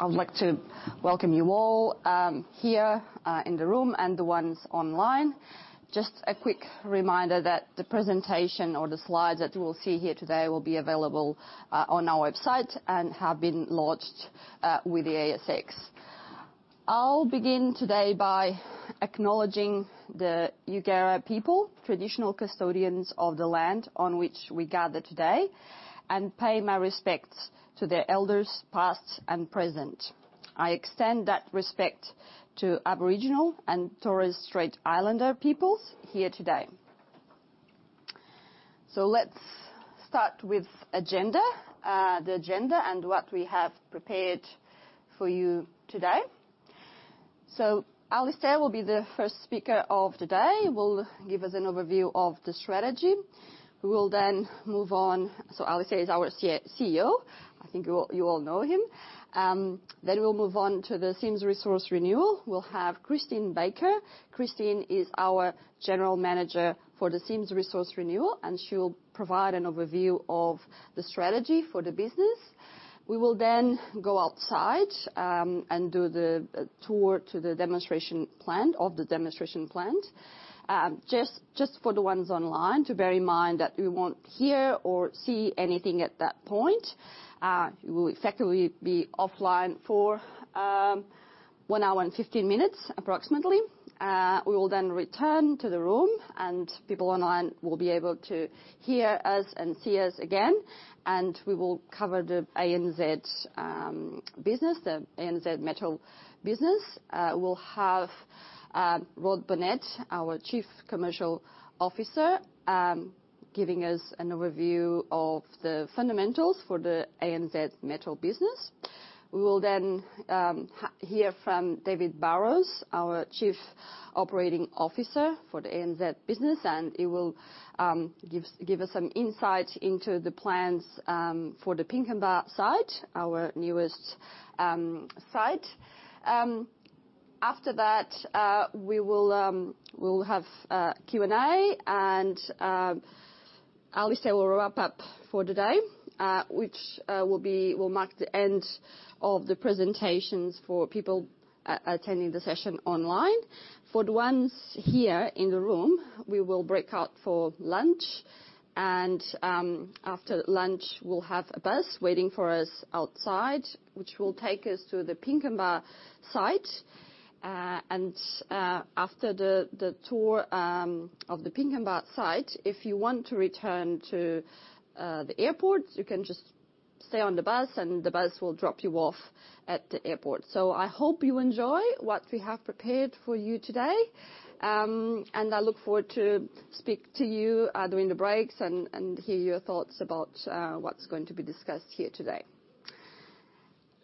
I would like to welcome you all here in the room and the ones online. Just a quick reminder that the presentation or the slides that we'll see here today will be available on our website and have been lodged with the ASX. I'll begin today by acknowledging the Yuggera people, traditional custodians of the land on which we gather today, and pay my respects to their elders, past and present. I extend that respect to Aboriginal and Torres Strait Islander peoples here today. Let's start with agenda, the agenda and what we have prepared for you today. Alistair will be the first speaker of today, will give us an overview of the strategy. We will then move on. Alistair is our CEO. I think you all know him. We'll move on to the Sims Resource Renewal. We'll have Christine Baker. Christine is our General Manager for the Sims Resource Renewal, and she will provide an overview of the strategy for the business. We will then go outside and do the tour of the demonstration plant. Just for the ones online to bear in mind that we won't hear or see anything at that point. We'll effectively be offline for one hour and 15 minutes approximately. We will then return to the room and people online will be able to hear us and see us again, and we will cover the ANZ business, the ANZ Metal business. We'll have Rod Bonnette, our Chief Commercial Officer, giving us an overview of the fundamentals for the ANZ Metal business. We will then hear from David Burrows, our Chief Operating Officer for the ANZ business. He will give us some insight into the plans for the Pinkenba site, our newest site. After that, we'll have a Q&A. Alistair will wrap up for today, which will mark the end of the presentations for people attending the session online. For the ones here in the room, we will break out for lunch and, after lunch, we'll have a bus waiting for us outside, which will take us to the Pinkenba site. After the tour of the Pinkenba site, if you want to return to the airport, you can just stay on the bus, and the bus will drop you off at the airport. I hope you enjoy what we have prepared for you today. I look forward to speak to you during the breaks and hear your thoughts about what's going to be discussed here today.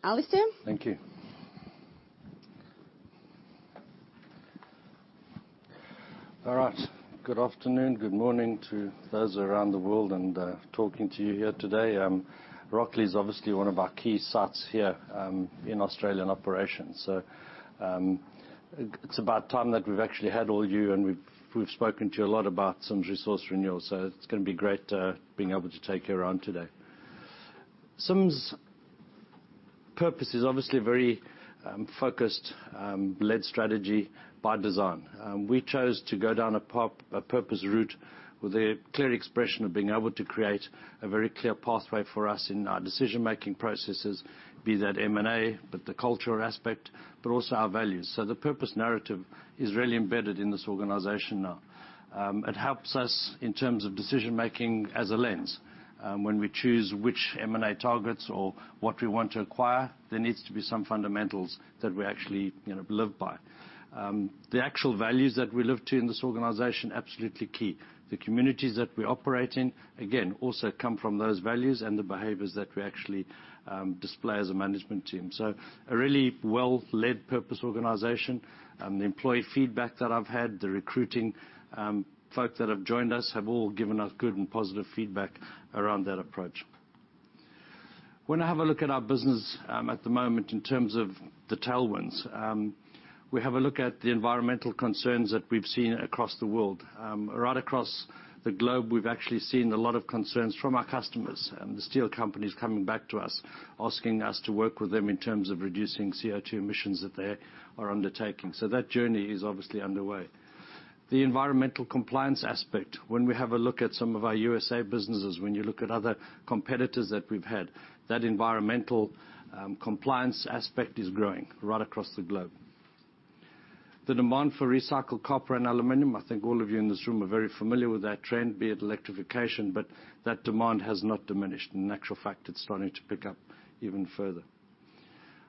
Alistair. Thank you. All right. Good afternoon. Good morning to those around the world and talking to you here today. Rocklea is obviously one of our key sites here in Australian operations. It's about time that we've actually had all you, and we've spoken to you a lot about Sims Resource Renewal, so it's gonna be great being able to take you around today. Sims' purpose is obviously a very focused led strategy by design. We chose to go down a purpose route with a clear expression of being able to create a very clear pathway for us in our decision-making processes, be that M&A, but the culture aspect, but also our values. The purpose narrative is really embedded in this organization now. It helps us in terms of decision making as a lens. When we choose which M&A targets or what we want to acquire, there needs to be some fundamentals that we actually, you know, live by. The actual values that we live to in this organization, absolutely key. The communities that we operate in, again, also come from those values and the behaviors that we actually display as a management team. A really well-led purpose organization. The employee feedback that I've had, the recruiting folks that have joined us have all given us good and positive feedback around that approach. When I have a look at our business, at the moment in terms of the tailwinds, we have a look at the environmental concerns that we've seen across the world. Right across the globe, we've actually seen a lot of concerns from our customers and the steel companies coming back to us, asking us to work with them in terms of reducing CO2 emissions that they are undertaking. That journey is obviously underway. The environmental compliance aspect, when we have a look at some of our U.S.A. businesses, when you look at other competitors that we've had, that environmental compliance aspect is growing right across the globe. The demand for recycled copper and aluminum, I think all of you in this room are very familiar with that trend, be it electrification, but that demand has not diminished. In actual fact, it's starting to pick up even further.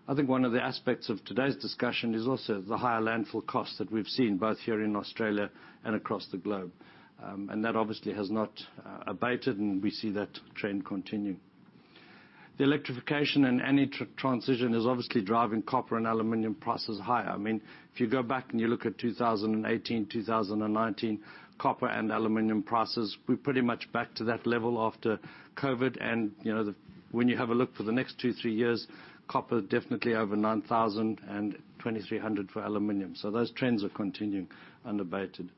I think one of the aspects of today's discussion is also the higher landfill costs that we've seen both here in Australia and across the globe. That obviously has not abated, we see that trend continuing. The electrification and energy transition is obviously driving copper and aluminum prices higher. I mean, if you go back and you look at 2018, 2019 copper and aluminum prices, we're pretty much back to that level after COVID. You know, when you have a look for the next two to three years, copper definitely over $9,000 and $2,300 for aluminum. Those trends are continuing unabated.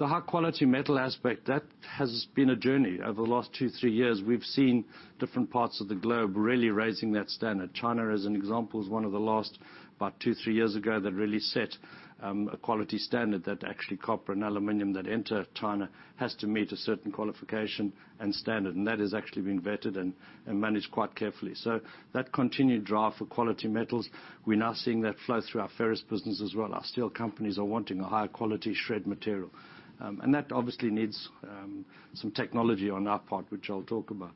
The high quality metal aspect, that has been a journey over the last two to three years. We've seen different parts of the globe really raising that standard. China, as an example, is one of the last, about two, three years ago, that really set a quality standard that actually copper and aluminum that enter China has to meet a certain qualification and standard. That has actually been vetted and managed quite carefully. That continued drive for quality metals, we're now seeing that flow through our ferrous business as well. Our steel companies are wanting a higher quality shred material. That obviously needs some technology on our part, which I'll talk about.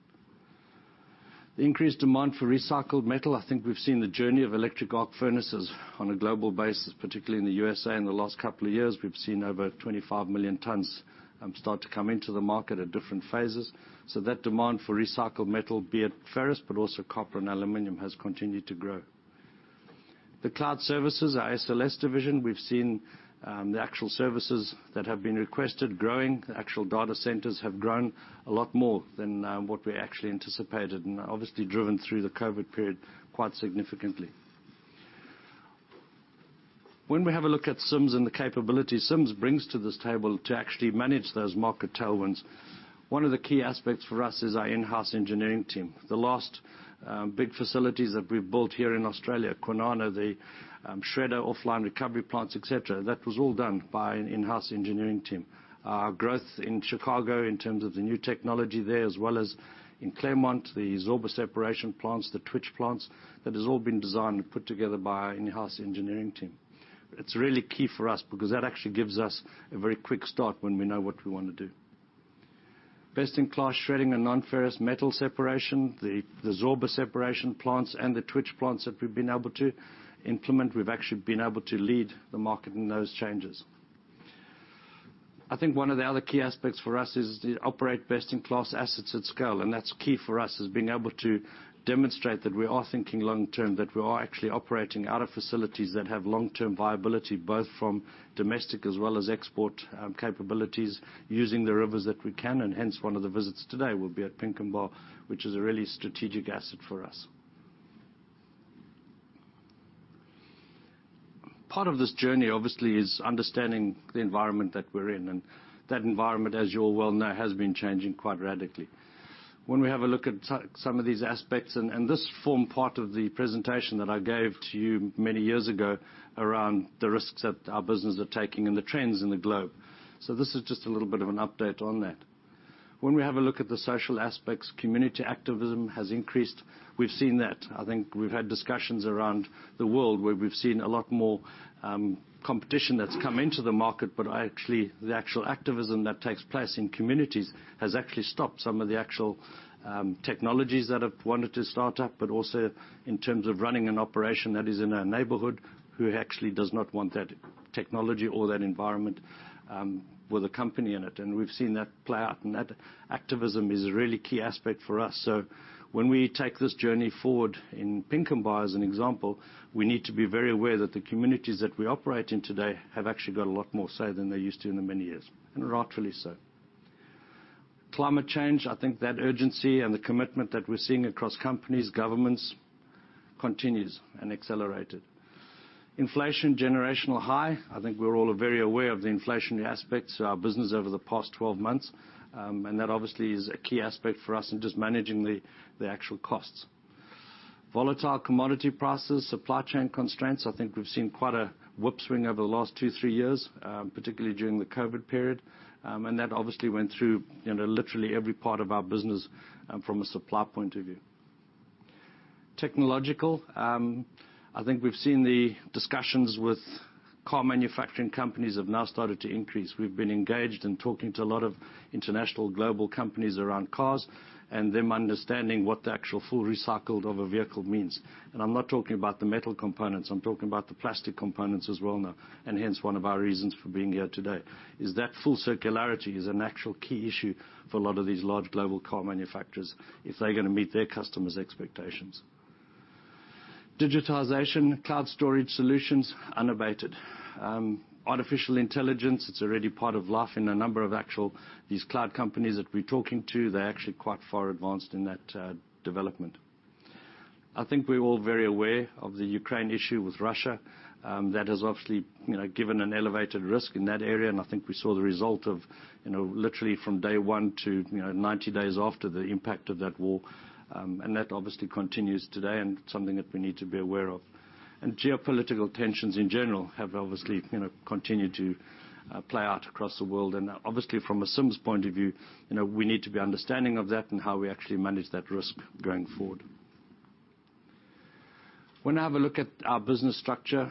The increased demand for recycled metal. I think we've seen the journey of electric arc furnaces on a global basis, particularly in the U.S.A. in the last couple of years. We've seen over 25 million tons start to come into the market at different phases. That demand for recycled metal, be it ferrous, but also copper and aluminum, has continued to grow. The cloud services, our SLS division, we've seen the actual services that have been requested growing. The actual data centers have grown a lot more than what we actually anticipated, and obviously driven through the COVID period quite significantly. When we have a look at Sims and the capabilities Sims brings to this table to actually manage those market tailwinds, one of the key aspects for us is our in-house engineering team. The last big facilities that we've built here in Australia, Kwinana, the shredder offline recovery plants, et cetera, that was all done by an in-house engineering team. Our growth in Chicago in terms of the new technology there, as well as in Claremont, the Zorba separation plants, the Twitch plants, that has all been designed and put together by our in-house engineering team. It's really key for us because that actually gives us a very quick start when we know what we want to do. Best-in-class shredding and non-ferrous metal separation, the Zorba separation plants and the Twitch plants that we've been able to implement, we've actually been able to lead the market in those changes. I think one of the other key aspects for us is to operate best-in-class assets at scale, and that's key for us, is being able to demonstrate that we are thinking long term, that we are actually operating out of facilities that have long-term viability, both from domestic as well as export, capabilities, using the rivers that we can, and hence one of the visits today will be at Pinkenba, which is a really strategic asset for us. Part of this journey, obviously, is understanding the environment that we're in, and that environment, as you all well know, has been changing quite radically. When we have a look at some of these aspects, and this formed part of the presentation that I gave to you many years ago around the risks that our business are taking and the trends in the globe. This is just a little bit of an update on that. When we have a look at the social aspects, community activism has increased. We've seen that. I think we've had discussions around the world where we've seen a lot more competition that's come into the market, but actually, the actual activism that takes place in communities has actually stopped some of the actual technologies that have wanted to start up, but also in terms of running an operation that is in a neighborhood who actually does not want that technology or that environment with a company in it. We've seen that play out, and that activism is a really key aspect for us. When we take this journey forward in Pinkenba, as an example, we need to be very aware that the communities that we operate in today have actually got a lot more say than they used to in the many years, and rightly so. Climate change. I think that urgency and the commitment that we're seeing across companies, governments, continues and accelerated. Inflation, generational high. I think we're all very aware of the inflationary aspects of our business over the past 12 months, and that obviously is a key aspect for us in just managing the actual costs. Volatile commodity prices, supply chain constraints. I think we've seen quite a whoop swing over the last two, three years, particularly during the COVID period. That obviously went through, you know, literally every part of our business from a supply point of view. Technological. I think we've seen the discussions with car manufacturing companies have now started to increase. We've been engaged and talking to a lot of international global companies around cars and them understanding what the actual full recycled of a vehicle means. I'm not talking about the metal components. I'm talking about the plastic components as well now. Hence one of our reasons for being here today, is that full circularity is an actual key issue for a lot of these large global car manufacturers if they're gonna meet their customers' expectations. Digitization, cloud storage solutions, unabated. Artificial intelligence, it's already part of life in a number of These cloud companies that we're talking to, they're actually quite far advanced in that development. I think we're all very aware of the Ukraine issue with Russia. That has obviously, you know, given an elevated risk in that area. I think we saw the result of, you know, literally from day one to, you know, 90 days after the impact of that war. That obviously continues today and something that we need to be aware of. Geopolitical tensions in general have obviously, you know, continued to play out across the world. Obviously from a Sims point of view, you know, we need to be understanding of that and how we actually manage that risk going forward. When I have a look at our business structure,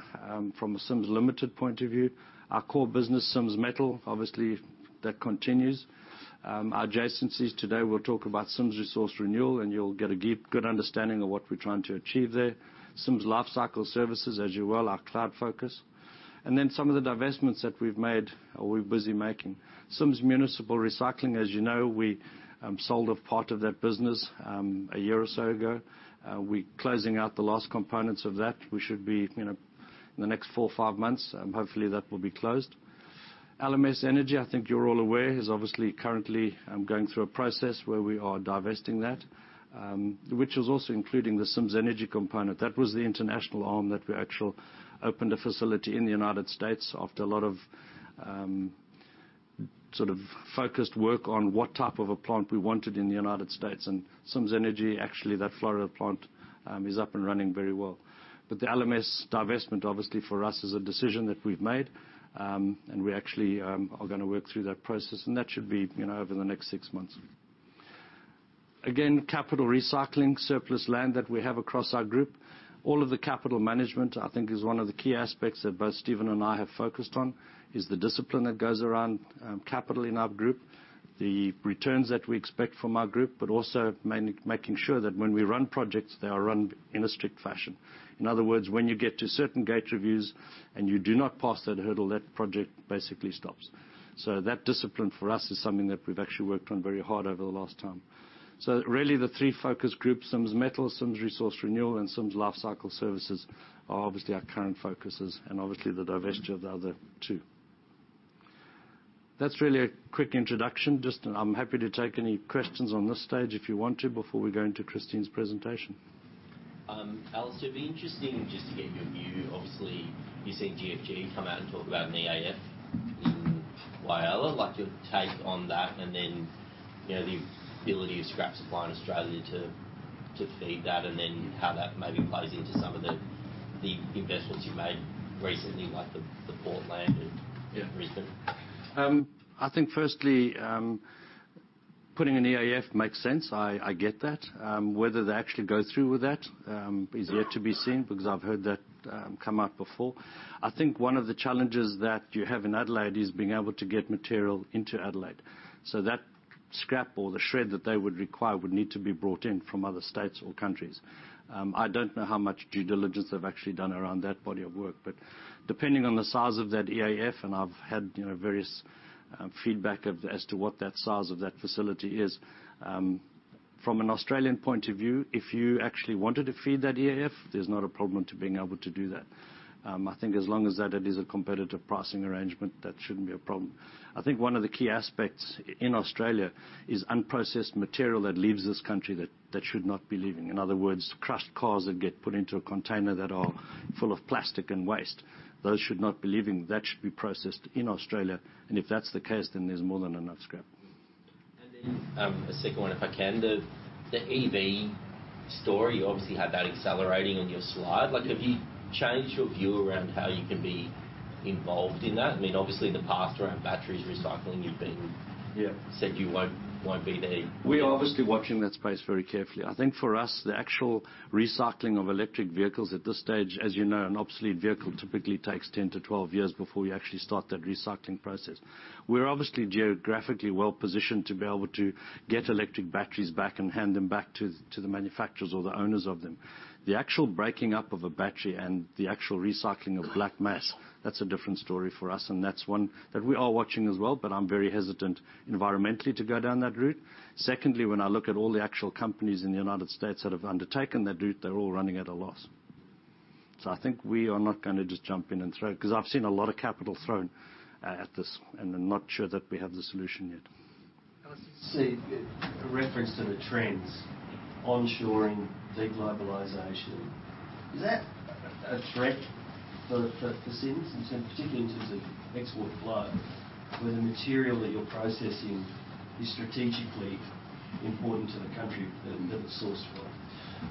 from a Sims Limited point of view, our core business, Sims Metal, obviously that continues. Adjacencies today, we'll talk about Sims Resource Renewal. You'll get a good understanding of what we're trying to achieve there. Sims Lifecycle Services, as you're well, our cloud focus. Some of the divestments that we've made or we're busy making. Sims Municipal Recycling, as you know, we sold a part of that business a year or so ago. We're closing out the last components of that. We should be, you know, in the next four or five months, hopefully that will be closed. LMS Energy, I think is obviously currently going through a process where we are divesting that, which is also including the Sims Energy component. That was the international arm that we opened a facility in the United States after a lot of sort of focused work on what type of a plant we wanted in the United States. Sims Energy, actually, that Florida plant is up and running very well. The LMS divestment, obviously for us, is a decision that we've made. We actually are gonna work through that process, and that should be, you know, over the next six months. Again, capital recycling, surplus land that we have across our group. All of the capital management, I think, is one of the key aspects that both Stephen and I have focused on, is the discipline that goes around capital in our group, the returns that we expect from our group, but also making sure that when we run projects, they are run in a strict fashion. In other words, when you get to certain gate reviews and you do not pass that hurdle, that project basically stops. That discipline for us is something that we've actually worked on very hard over the last term. Really, the three focus groups, Sims Metal, Sims Resource Renewal and Sims Lifecycle Services are obviously our current focuses and obviously the divesture of the other two. That's really a quick introduction. I'm happy to take any questions on this stage if you want to, before we go into Christine's presentation. Alistair, it'd be interesting just to get your view. Obviously, you've seen GFG come out and talk about an EAF in Whyalla. I'd like your take on that, and then, you know, the ability of scrap supply in Australia to feed that, and then how that maybe plays into some of the investments you've made recently, like the bought land in Brisbane. Yeah. I think firstly, putting an EAF makes sense. I get that. Whether they actually go through with that is yet to be seen, because I've heard that come up before. I think one of the challenges that you have in Adelaide is being able to get material into Adelaide. That scrap or the shred that they would require would need to be brought in from other states or countries. I don't know how much due diligence they've actually done around that body of work, but depending on the size of that EAF and I've had, you know, various feedback of as to what that size of that facility is. From an Australian point of view, if you actually wanted to feed that EAF, there's not a problem to being able to do that. I think as long as that it is a competitive pricing arrangement, that shouldn't be a problem. I think one of the key aspects in Australia is unprocessed material that leaves this country that should not be leaving. In other words, crushed cars that get put into a container that are full of plastic and waste, those should not be leaving. That should be processed in Australia. If that's the case, there's more than enough scrap. A second one, if I can. The EV story, you obviously have that accelerating on your slide. Like, have you changed your view around how you can be involved in that? I mean, obviously in the past around batteries recycling you've been- Yeah. said you won't be there. We are obviously watching that space very carefully. I think for us, the actual recycling of electric vehicles at this stage, as you know, an obsolete vehicle typically takes 10-12 years before you actually start that recycling process. We're obviously geographically well-positioned to be able to get electric batteries back and hand them back to the manufacturers or the owners of them. The actual breaking up of a battery and the actual recycling of black mass, that's a different story for us, and that's one that we are watching as well. I'm very hesitant environmentally to go down that route. Secondly, when I look at all the actual companies in the United States that have undertaken that route, they're all running at a loss. I think we are not gonna just jump in and throw. 'Cause I've seen a lot of capital thrown at this, and I'm not sure that we have the solution yet. Alistair, see reference to the trends onshoring deglobalization. Is that a threat for Sims in terms, particularly in terms of export flow, where the material that you're processing is strategically important to the country that it's sourced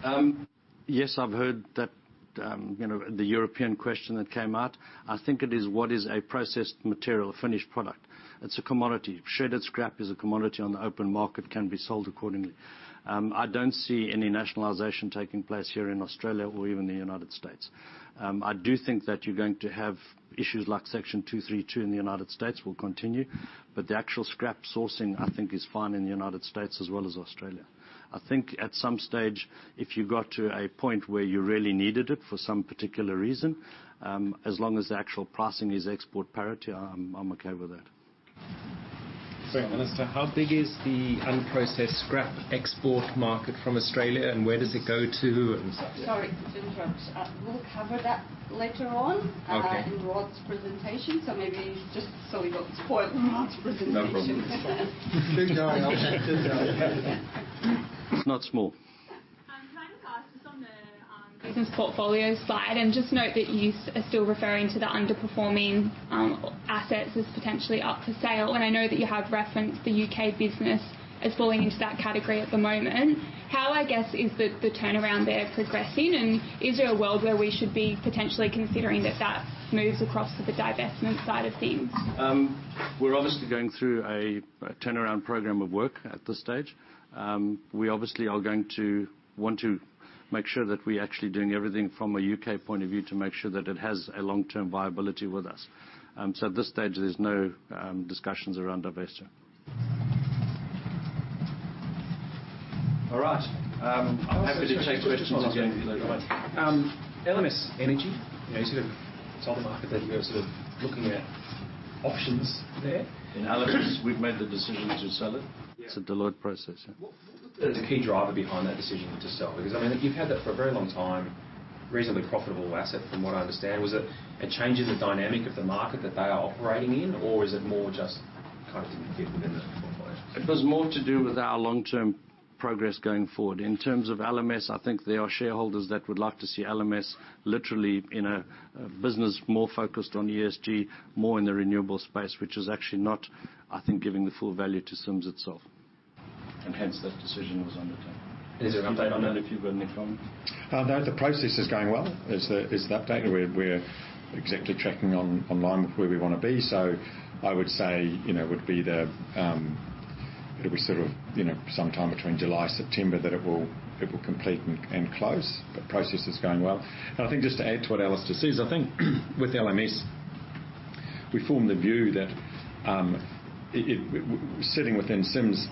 from? Yes, I've heard that, you know, the European question that came out. I think it is what is a processed material, a finished product. It's a commodity. Shredded scrap is a commodity on the open market, can be sold accordingly. I don't see any nationalization taking place here in Australia or even the United States. I do think that you're going to have issues like Section 232 in the United States will continue, but the actual scrap sourcing, I think, is fine in the United States as well as Australia. I think at some stage, if you got to a point where you really needed it for some particular reason, as long as the actual pricing is export parity, I'm okay with that. Sorry, Alistair. How big is the unprocessed scrap export market from Australia, and where does it go to and stuff? Yeah. Sorry to interrupt. We'll cover that later on. Okay. in Rod's presentation. Maybe just so we don't spoil Rod's presentation. No problem. Keep going, Alistair. Keep going. It's not small. Can I just ask just on the business portfolio slide and just note that yous are still referring to the underperforming assets as potentially up for sale. I know that you have referenced the U.K. business as falling into that category at the moment. How, I guess, is the turnaround there progressing, and is there a world where we should be potentially considering that that moves across to the divestment side of things? We're obviously going through a turnaround program of work at this stage. We obviously are going to want to make sure that we're actually doing everything from a U.K. point of view to make sure that it has a long-term viability with us. At this stage, there's no discussions around divesture. All right. I'm happy to take questions again. Alistair, just following on. LMS Energy, you know, you sort of told the market that you were sort of looking at options there. In LMS, we've made the decision to sell it. Yeah. It's a deliberate process, yeah. What was the key driver behind that decision to sell? Because, I mean, you've had that for a very long time. Reasonably profitable asset from what I understand. Was it a change in the dynamic of the market that they are operating in or is it more just kind of to compete within the. It was more to do with our long-term progress going forward. In terms of LMS, I think there are shareholders that would like to see LMS literally in a business more focused on ESG, more in the renewable space, which is actually not, I think, giving the full value to Sims itself. Hence that decision was undertaken. Is there an update on it? I don't know if you've got any comment. No, the process is going well. Is the update. We're exactly tracking on line with where we wanna be. I would say, you know, it would be the. It'll be sort of, you know, sometime between July, September that it will complete and close. The process is going well. I think just to add to what Alistair says, I think with LMS, we formed the view that, sitting within Sims,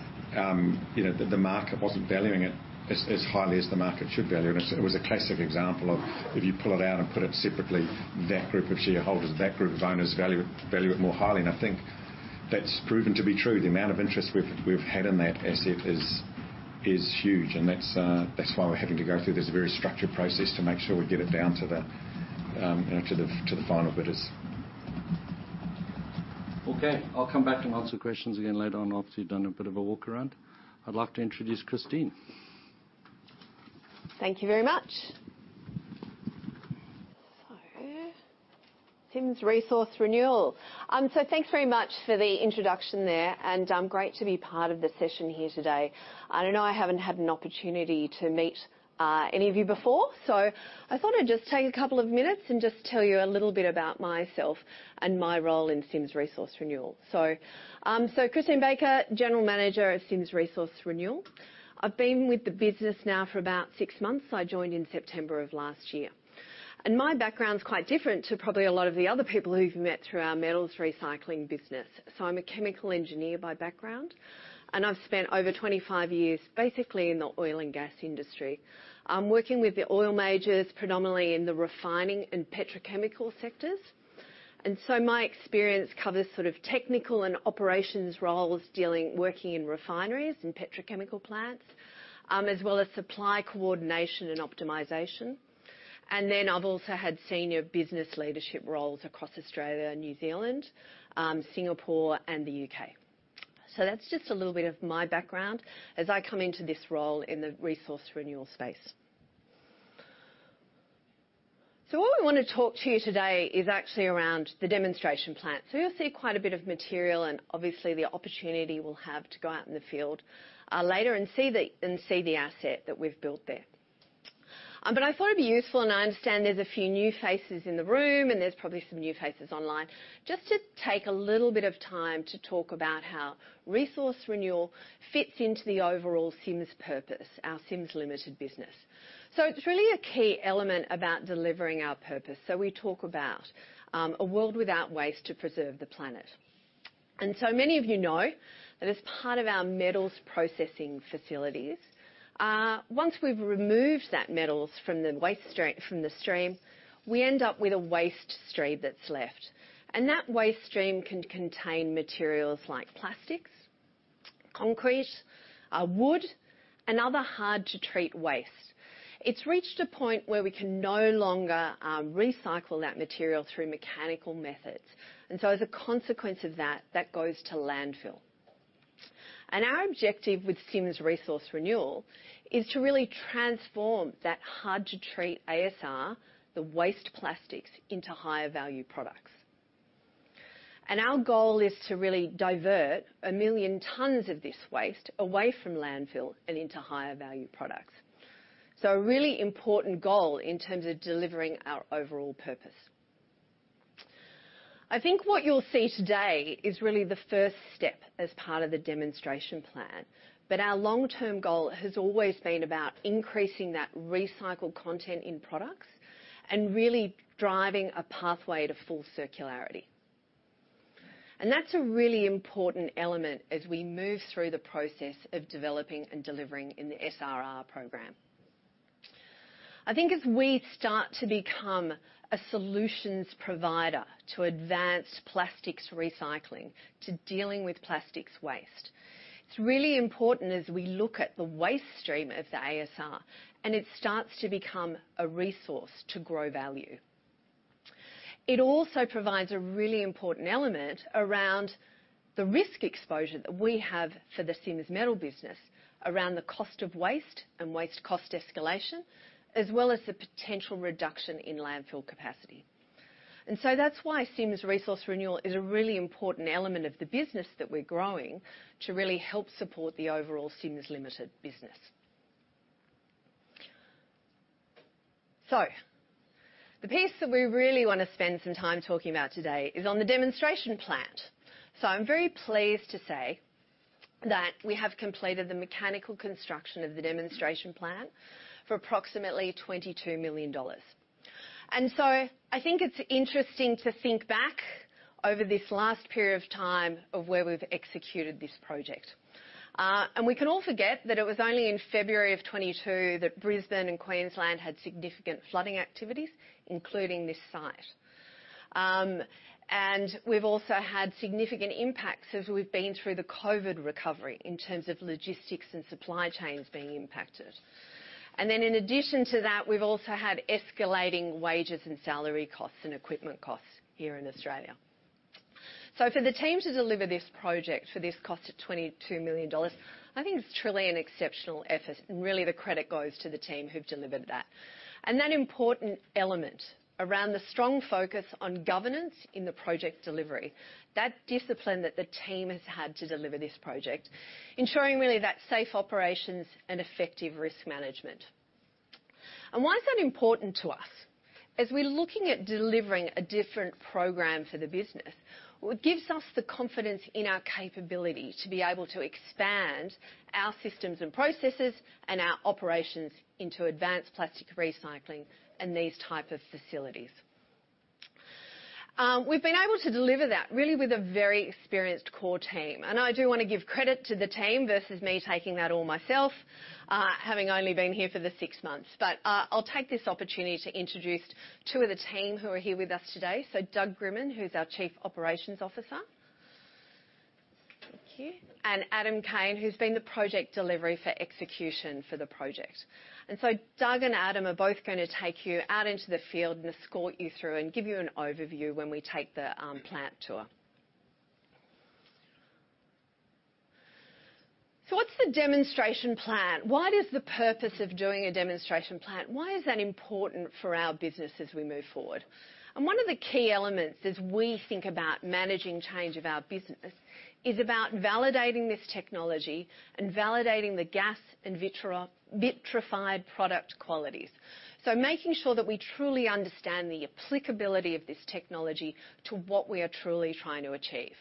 you know, the market wasn't valuing it as highly as the market should value it. It was a classic example of if you pull it out and put it separately, that group of shareholders, that group of owners value it more highly, and I think that's proven to be true. The amount of interest we've had in that asset is huge, and that's why we're having to go through this very structured process to make sure we get it down to the, you know, to the final bidders. Okay, I'll come back and answer questions again later on, after you've done a bit of a walk around. I'd like to introduce Christine. Thank you very much. Sims Resource Renewal. Thanks very much for the introduction there. Great to be part of the session here today. I know I haven't had an opportunity to meet any of you before, so I thought I'd just take a couple of minutes and just tell you a little bit about myself and my role in Sims Resource Renewal. Christine Baker, General Manager of Sims Resource Renewal. I've been with the business now for about six months. I joined in September of last year. My background's quite different to probably a lot of the other people who you've met through our metals recycling business. I'm a chemical engineer by background, I've spent over 25 years basically in the oil and gas industry, working with the oil majors predominantly in the refining and petrochemical sectors. My experience covers sort of technical and operations roles working in refineries and petrochemical plants, as well as supply coordination and optimization. I've also had senior business leadership roles across Australia and New Zealand, Singapore and the UK. That's just a little bit of my background as I come into this role in the resource renewal space. What we wanna talk to you today is actually around the demonstration plant. You'll see quite a bit of material and obviously the opportunity we'll have to go out in the field later and see the asset that we've built there. I thought it'd be useful, and I understand there's a few new faces in the room and there's probably some new faces online, just to take a little bit of time to talk about how Resource Renewal fits into the overall Sims purpose, our Sims Limited business. It's really a key element about delivering our purpose, so we talk about a world without waste to preserve the planet. Many of you know that as part of our metals processing facilities, once we've removed that metals from the stream, we end up with a waste stream that's left, and that waste stream can contain materials like plastics, concrete, wood and other hard to treat waste. It's reached a point where we can no longer recycle that material through mechanical methods, as a consequence of that goes to landfill. Our objective with Sims Resource Renewal is to really transform that hard to treat ASR, the waste plastics, into higher value products. Our goal is to really divert one million tons of this waste away from landfill and into higher value products. A really important goal in terms of delivering our overall purpose. I think what you'll see today is really the first step as part of the demonstration plan, but our long-term goal has always been about increasing that recycled content in products and really driving a pathway to full circularity. That's a really important element as we move through the process of developing and delivering in the SRR program. I think as we start to become a solutions provider to advanced plastics recycling, to dealing with plastics waste, it's really important as we look at the waste stream of the ASR, it starts to become a resource to grow value. It also provides a really important element around the risk exposure that we have for the Sims Metal business around the cost of waste and waste cost escalation, as well as the potential reduction in landfill capacity. That's why Sims Resource Renewal is a really important element of the business that we're growing to really help support the overall Sims Limited business. The piece that we really wanna spend some time talking about today is on the demonstration plant. I'm very pleased to say that we have completed the mechanical construction of the demonstration plant for approximately $22 million. I think it's interesting to think back over this last period of time of where we've executed this project. We can all forget that it was only in February of 2022 that Brisbane and Queensland had significant flooding activities, including this site. We've also had significant impacts as we've been through the COVID recovery in terms of logistics and supply chains being impacted. In addition to that, we've also had escalating wages and salary costs and equipment costs here in Australia. For the team to deliver this project for this cost of 22 million dollars, I think it's truly an exceptional effort, and really the credit goes to the team who've delivered that. That important element around the strong focus on governance in the project delivery, that discipline that the team has had to deliver this project, ensuring really that safe operations and effective risk management. Why is that important to us? As we're looking at delivering a different program for the business, what gives us the confidence in our capability to be able to expand our systems and processes and our operations into advanced plastic recycling and these type of facilities. We've been able to deliver that really with a very experienced core team, and I do wanna give credit to the team versus me taking that all myself, having only been here for the six months. I'll take this opportunity to introduce two of the team who are here with us today. Doug Grimmond, who's our Chief Operations Officer. Thank you. Adam Caine, who's been the project delivery for execution for the project. Doug and Adam are both gonna take you out into the field and escort you through and give you an overview when we take the plant tour. What's the demonstration plant? What is the purpose of doing a demonstration plant? Why is that important for our business as we move forward? One of the key elements as we think about managing change of our business is about validating this technology and validating the gas and vitrified product qualities. Making sure that we truly understand the applicability of this technology to what we are truly trying to achieve.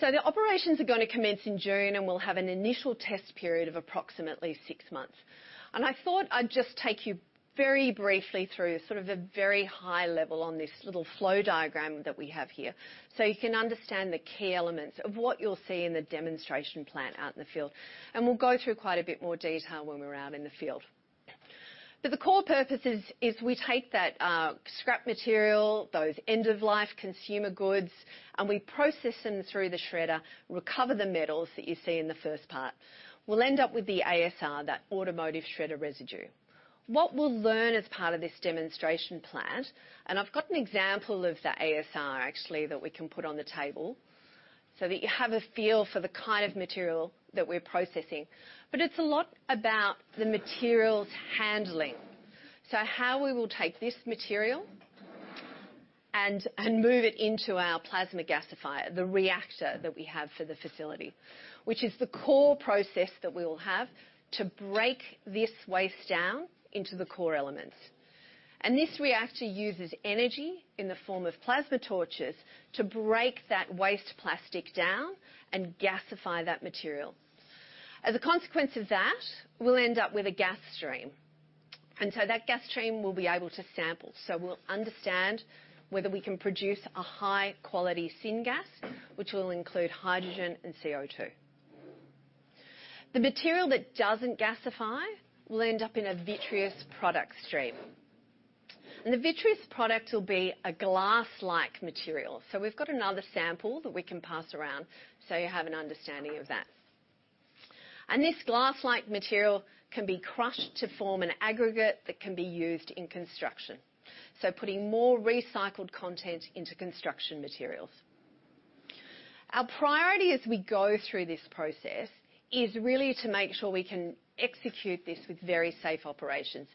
The operations are gonna commence in June, and we'll have an initial test period of approximately six months. I thought I'd just take you very briefly through sort of a very high level on this little flow diagram that we have here, so you can understand the key elements of what you'll see in the demonstration plant out in the field. We'll go through quite a bit more detail when we're out in the field. The core purpose is we take that scrap material, those end-of-life consumer goods, and we process them through the shredder, recover the metals that you see in the first part. We'll end up with the ASR, that automotive shredder residue. What we'll learn as part of this demonstration plant, and I've got an example of the ASR actually that we can put on the table so that you have a feel for the kind of material that we're processing. It's a lot about the materials handling. How we will take this material and move it into our plasma gasifier, the reactor that we have for the facility, which is the core process that we will have to break this waste down into the core elements. This reactor uses energy in the form of plasma torches to break that waste plastic down and gasify that material. As a consequence of that, we'll end up with a gas stream. That gas stream we'll be able to sample. We'll understand whether we can produce a high-quality syngas, which will include hydrogen and CO2. The material that doesn't gasify will end up in a vitreous product stream. The vitreous product will be a glass-like material. We've got another sample that we can pass around, so you have an understanding of that. This glass-like material can be crushed to form an aggregate that can be used in construction, so putting more recycled content into construction materials. Our priority as we go through this process is really to make sure we can execute this with very safe operations.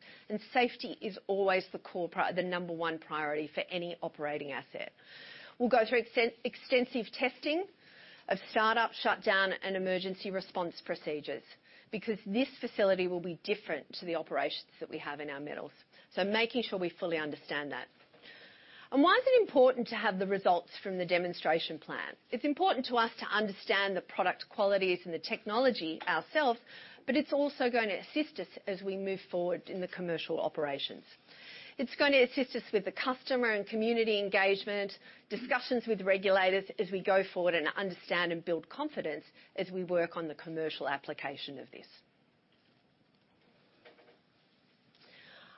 Safety is always the number one priority for any operating asset. We'll go through extensive testing of startup, shutdown, and emergency response procedures because this facility will be different to the operations that we have in our metals. Making sure we fully understand that. Why is it important to have the results from the demonstration plant? It's important to us to understand the product qualities and the technology ourselves, but it's also gonna assist us as we move forward in the commercial operations. It's gonna assist us with the customer and community engagement, discussions with regulators as we go forward and understand and build confidence as we work on the commercial application of this.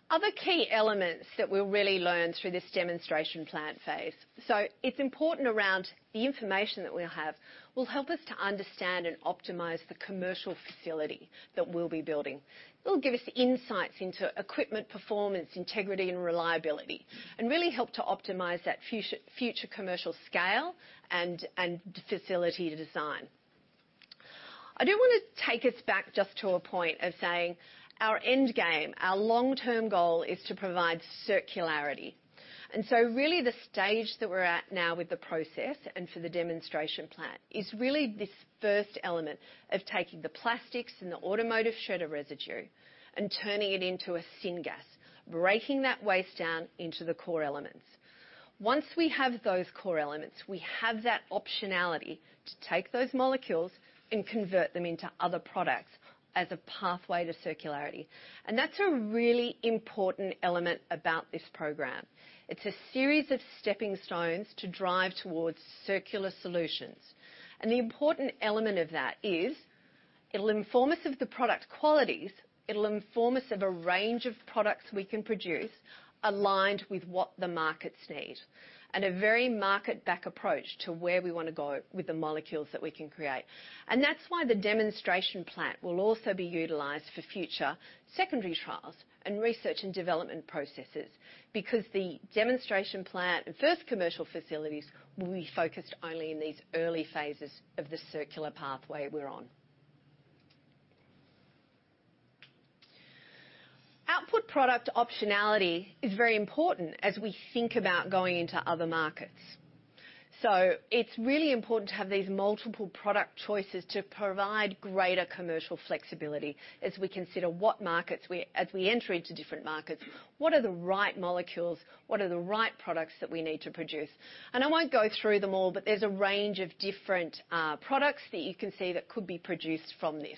Other key elements that we'll really learn through this demonstration plant phase. It's important around the information that we'll have will help us to understand and optimize the commercial facility that we'll be building. It'll give us insights into equipment performance, integrity, and reliability and really help to optimize that future commercial scale and facility design. I do wanna take us back just to a point of saying our end game, our long-term goal is to provide circularity. Really the stage that we're at now with the process and for the demonstration plant is really this first element of taking the plastics and the automotive shredder residue and turning it into a syngas, breaking that waste down into the core elements. Once we have those core elements, we have that optionality to take those molecules and convert them into other products as a pathway to circularity. That's a really important element about this program. It's a series of stepping stones to drive towards circular solutions. The important element of that is. It'll inform us of the product qualities, it'll inform us of a range of products we can produce aligned with what the markets need, and a very market-back approach to where we wanna go with the molecules that we can create. That's why the demonstration plant will also be utilized for future secondary trials and research and development processes, because the demonstration plant and first commercial facilities will be focused only in these early phases of the circular pathway we're on. Output product optionality is very important as we think about going into other markets. It's really important to have these multiple product choices to provide greater commercial flexibility as we consider as we enter into different markets, what are the right molecules? What are the right products that we need to produce? I won't go through them all, but there's a range of different products that you can see that could be produced from this.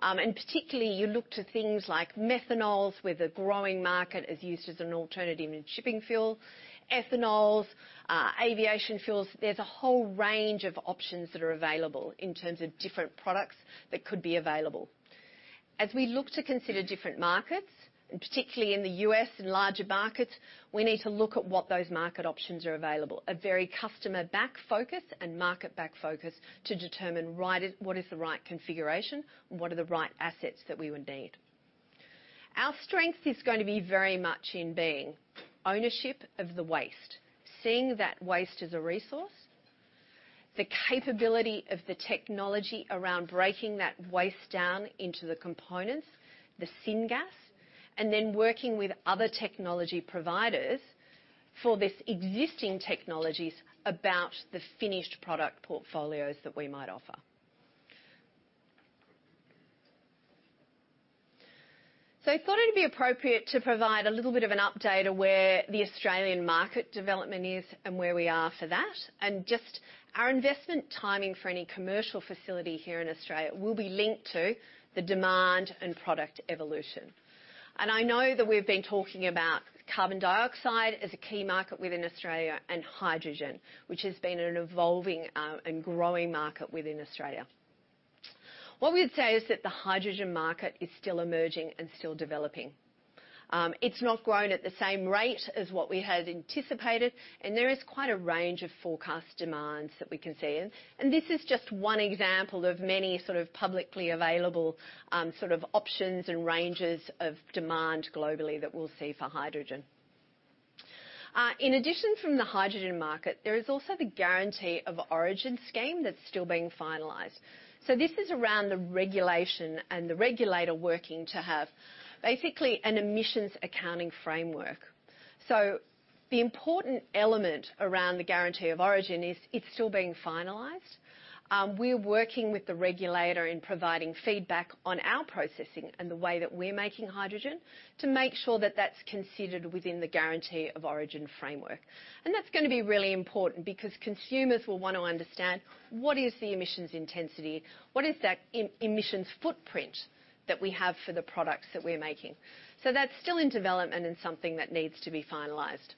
Particularly, you look to things like methanols, with a growing market, is used as an alternative in shipping fuel, ethanol, aviation fuels. There's a whole range of options that are available in terms of different products that could be available. As we look to consider different markets, particularly in the U.S. and larger markets, we need to look at what those market options are available. A very customer-back focus and market-back focus to determine what is the right configuration and what are the right assets that we would need. Our strength is going to be very much in being ownership of the waste, seeing that waste as a resource, the capability of the technology around breaking that waste down into the components, the syngas, then working with other technology providers for this existing technologies about the finished product portfolios that we might offer. I thought it'd be appropriate to provide a little bit of an update of where the Australian market development is and where we are for that, and just our investment timing for any commercial facility here in Australia will be linked to the demand and product evolution. I know that we've been talking about carbon dioxide as a key market within Australia, and hydrogen, which has been an evolving and growing market within Australia. What we'd say is that the hydrogen market is still emerging and still developing. It's not grown at the same rate as what we had anticipated, and there is quite a range of forecast demands that we can see. This is just one example of many sort of publicly available sort of options and ranges of demand globally that we'll see for hydrogen. In addition from the hydrogen market, there is also the Guarantee of Origin scheme that's still being finalized. This is around the regulation and the regulator working to have basically an emissions accounting framework. The important element around the Guarantee of Origin is it's still being finalized. We're working with the regulator in providing feedback on our processing and the way that we're making hydrogen to make sure that that's considered within the Guarantee of Origin framework. That's gonna be really important because consumers will want to understand what is the emissions intensity, what is that emissions footprint that we have for the products that we're making. That's still in development and something that needs to be finalized.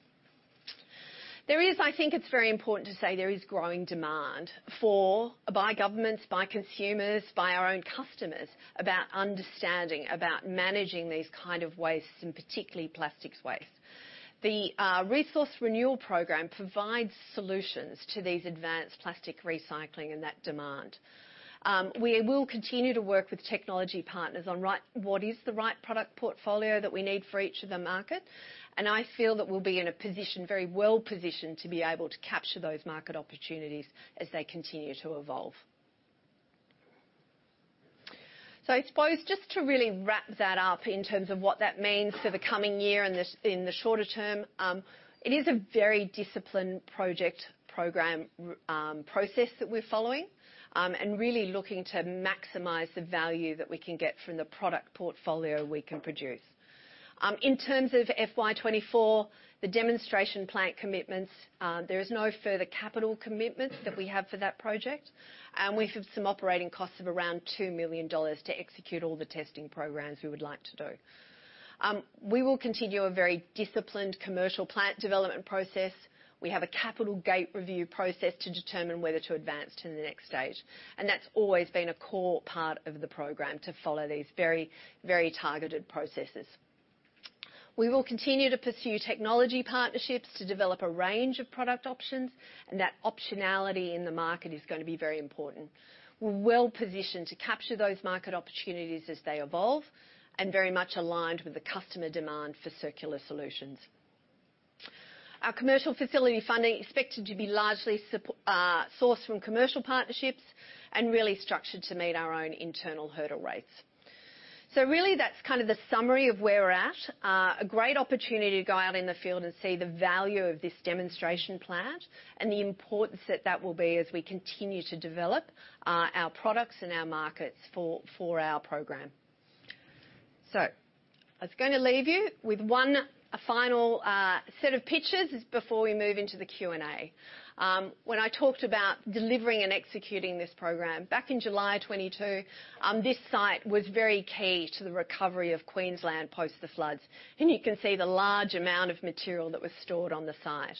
I think it's very important to say there is growing demand for, by governments, by consumers, by our own customers, about understanding, about managing these kind of wastes, and particularly plastics waste. The Resource Renewal Program provides solutions to these advanced plastic recycling and that demand. We will continue to work with technology partners on what is the right product portfolio that we need for each of the markets, and I feel that we'll be in a position, very well positioned, to be able to capture those market opportunities as they continue to evolve. I suppose just to really wrap that up in terms of what that means for the coming year in the shorter term, it is a very disciplined project program process that we're following and really looking to maximize the value that we can get from the product portfolio we can produce. In terms of FY 2024, the demonstration plant commitments, there is no further capital commitments that we have for that project, and we have some operating costs of around 2 million dollars to execute all the testing programs we would like to do. We will continue a very disciplined commercial plant development process. We have a capital gate review process to determine whether to advance to the next stage, and that's always been a core part of the program, to follow these very targeted processes. We will continue to pursue technology partnerships to develop a range of product options. That optionality in the market is going to be very important. We're well positioned to capture those market opportunities as they evolve and very much aligned with the customer demand for circular solutions. Our commercial facility funding expected to be largely sourced from commercial partnerships and really structured to meet our own internal hurdle rates. Really, that's kind of the summary of where we're at. A great opportunity to go out in the field and see the value of this demonstration plant and the importance that that will be as we continue to develop our products and our markets for our program. I was going to leave you with one final set of pictures before we move into the Q&A. When I talked about delivering and executing this program, back in July of 2022, this site was very key to the recovery of Queensland post the floods, and you can see the large amount of material that was stored on the site.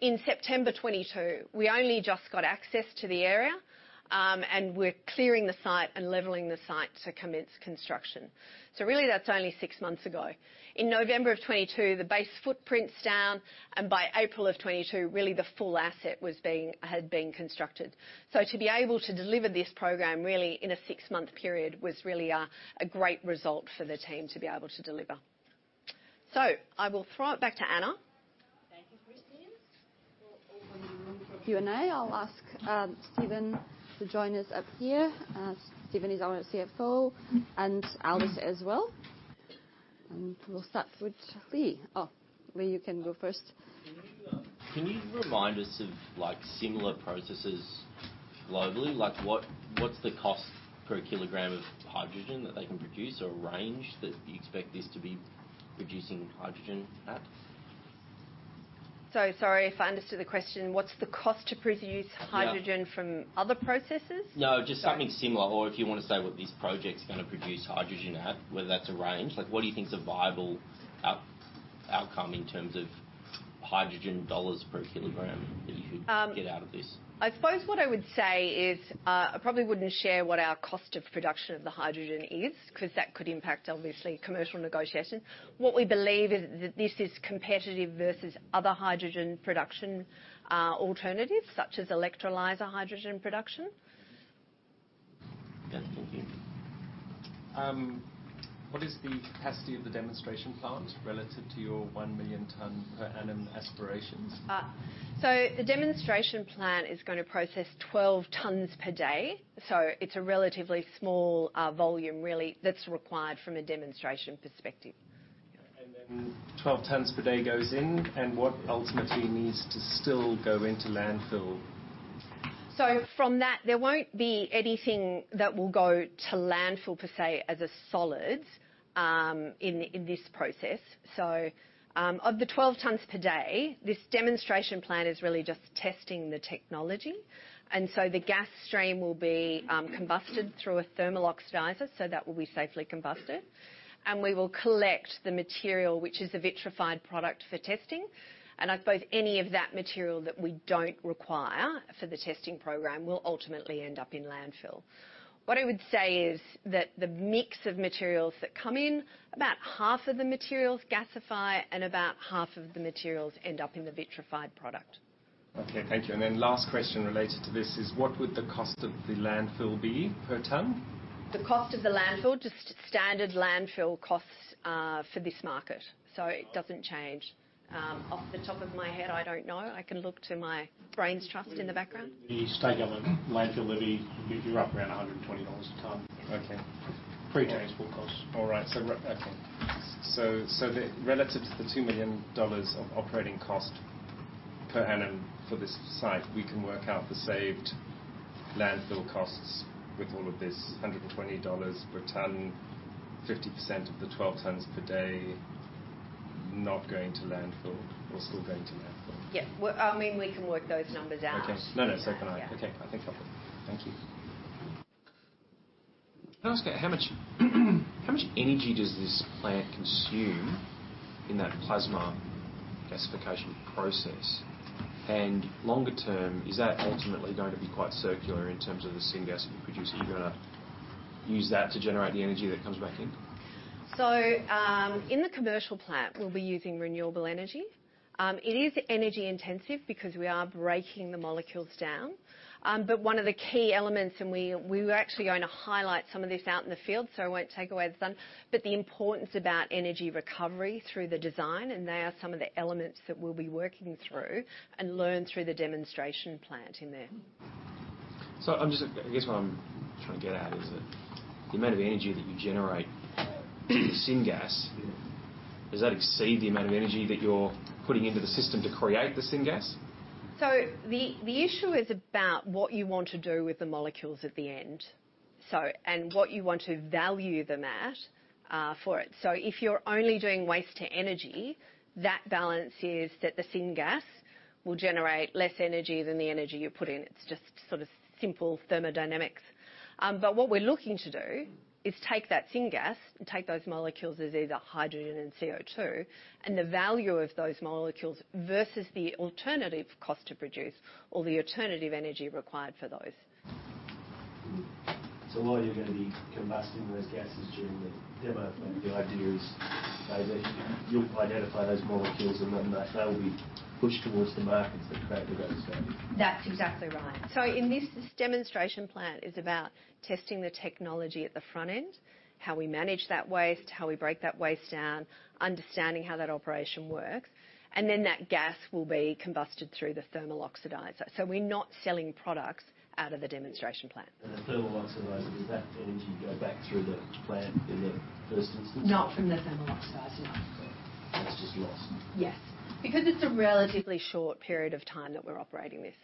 In September 2022, we only just got access to the area, and we're clearing the site and leveling the site to commence construction. Really that's only six months ago. In November of 2022, the base footprint's down, and by April of 2022, really the full asset had been constructed. To be able to deliver this program really in a six-month period was really a great result for the team to be able to deliver. I will throw it back to Ana. Thank you, Christine. We'll open the room for Q&A. I'll ask Stephen to join us up here. Stephen is our CFO, and Alistair as well. We'll start with Lee. Lee, you can go first. Can you remind us of like similar processes globally? Like what's the cost per kilogram of hydrogen that they can produce or range that you expect this to be producing hydrogen at? sorry, if I understood the question, what's the cost to produce hydrogen- Yeah from other processes? No, just something similar or if you want to say what this project's gonna produce hydrogen at, whether that's a range. Like what do you think is a viable outcome in terms of hydrogen dollars per kilogram that you could get out of this? I suppose what I would say is, I probably wouldn't share what our cost of production of the hydrogen is, 'cause that could impact obviously commercial negotiations. What we believe is that this is competitive versus other hydrogen production, alternatives such as electrolyzer hydrogen production. Okay, thank you. What is the capacity of the demonstration plant relative to your 1 million ton per annum aspirations? The demonstration plant is gonna process 12 tons per day. It's a relatively small volume really that's required from a demonstration perspective. Okay. Then 12 tons per day goes in, and what ultimately needs to still go into landfill? From that, there won't be anything that will go to landfill per se as a solid in this process. Of the 12 tons per day, this demonstration plant is really just testing the technology. The gas stream will be combusted through a thermal oxidizer, so that will be safely combusted. We will collect the material which is the vitrified product for testing. I suppose any of that material that we don't require for the testing program will ultimately end up in landfill. What I would say is that the mix of materials that come in, about half of the materials gasify and about half of the materials end up in the vitrified product. Okay. Thank you. Last question related to this is what would the cost of the landfill be per ton? The cost of the landfill, just standard landfill costs, for this market. It doesn't change. Off the top of my head, I don't know. I can look to my brains trust in the background. The state government landfill levy, you're up around 120 dollars a ton. Okay. Pre tax will cost. All right. Okay. Relative to the 2 million dollars of operating cost per annum for this site, we can work out the saved landfill costs with all of this 120 dollars per ton, 50% of the 12 tons per day not going to landfill or still going to landfill? Yeah. Well, I mean, we can work those numbers out. Okay. No, no. Can I? Yeah. Okay. I think I've got them. Thank you. Can I ask how much energy does this plant consume in that plasma gasification process? Longer term, is that ultimately going to be quite circular in terms of the syngas you produce? Are you gonna use that to generate the energy that comes back in? In the commercial plant, we'll be using renewable energy. It is energy intensive because we are breaking the molecules down. One of the key elements, and we were actually going to highlight some of this out in the field, so I won't take away the sun, but the importance about energy recovery through the design, and they are some of the elements that we'll be working through and learn through the demonstration plant in there. I guess what I'm trying to get at is that the amount of energy that you generate with syngas. Yeah does that exceed the amount of energy that you're putting into the system to create the syngas? The issue is about what you want to do with the molecules at the end. What you want to value them at for it. If you're only doing waste to energy, that balance is that the syngas will generate less energy than the energy you put in. It's just sort of simple thermodynamics. What we're looking to do is take that syngas and take those molecules as either hydrogen and CO2, and the value of those molecules versus the alternative cost to produce or the alternative energy required for those. While you're gonna be combusting those gases during the demo, the idea is that you'll identify those molecules and then they'll be pushed towards the markets that create the best value. That's exactly right. In this demonstration plant is about testing the technology at the front end, how we manage that waste, how we break that waste down, understanding how that operation works, and then that gas will be combusted through the thermal oxidizer. We're not selling products out of the demonstration plant. The thermal oxidizer, does that energy go back through the plant in the first instance? Not from the thermal oxidizer. Okay. That's just lost. Yes. Because it's a relatively short period of time that we're operating with.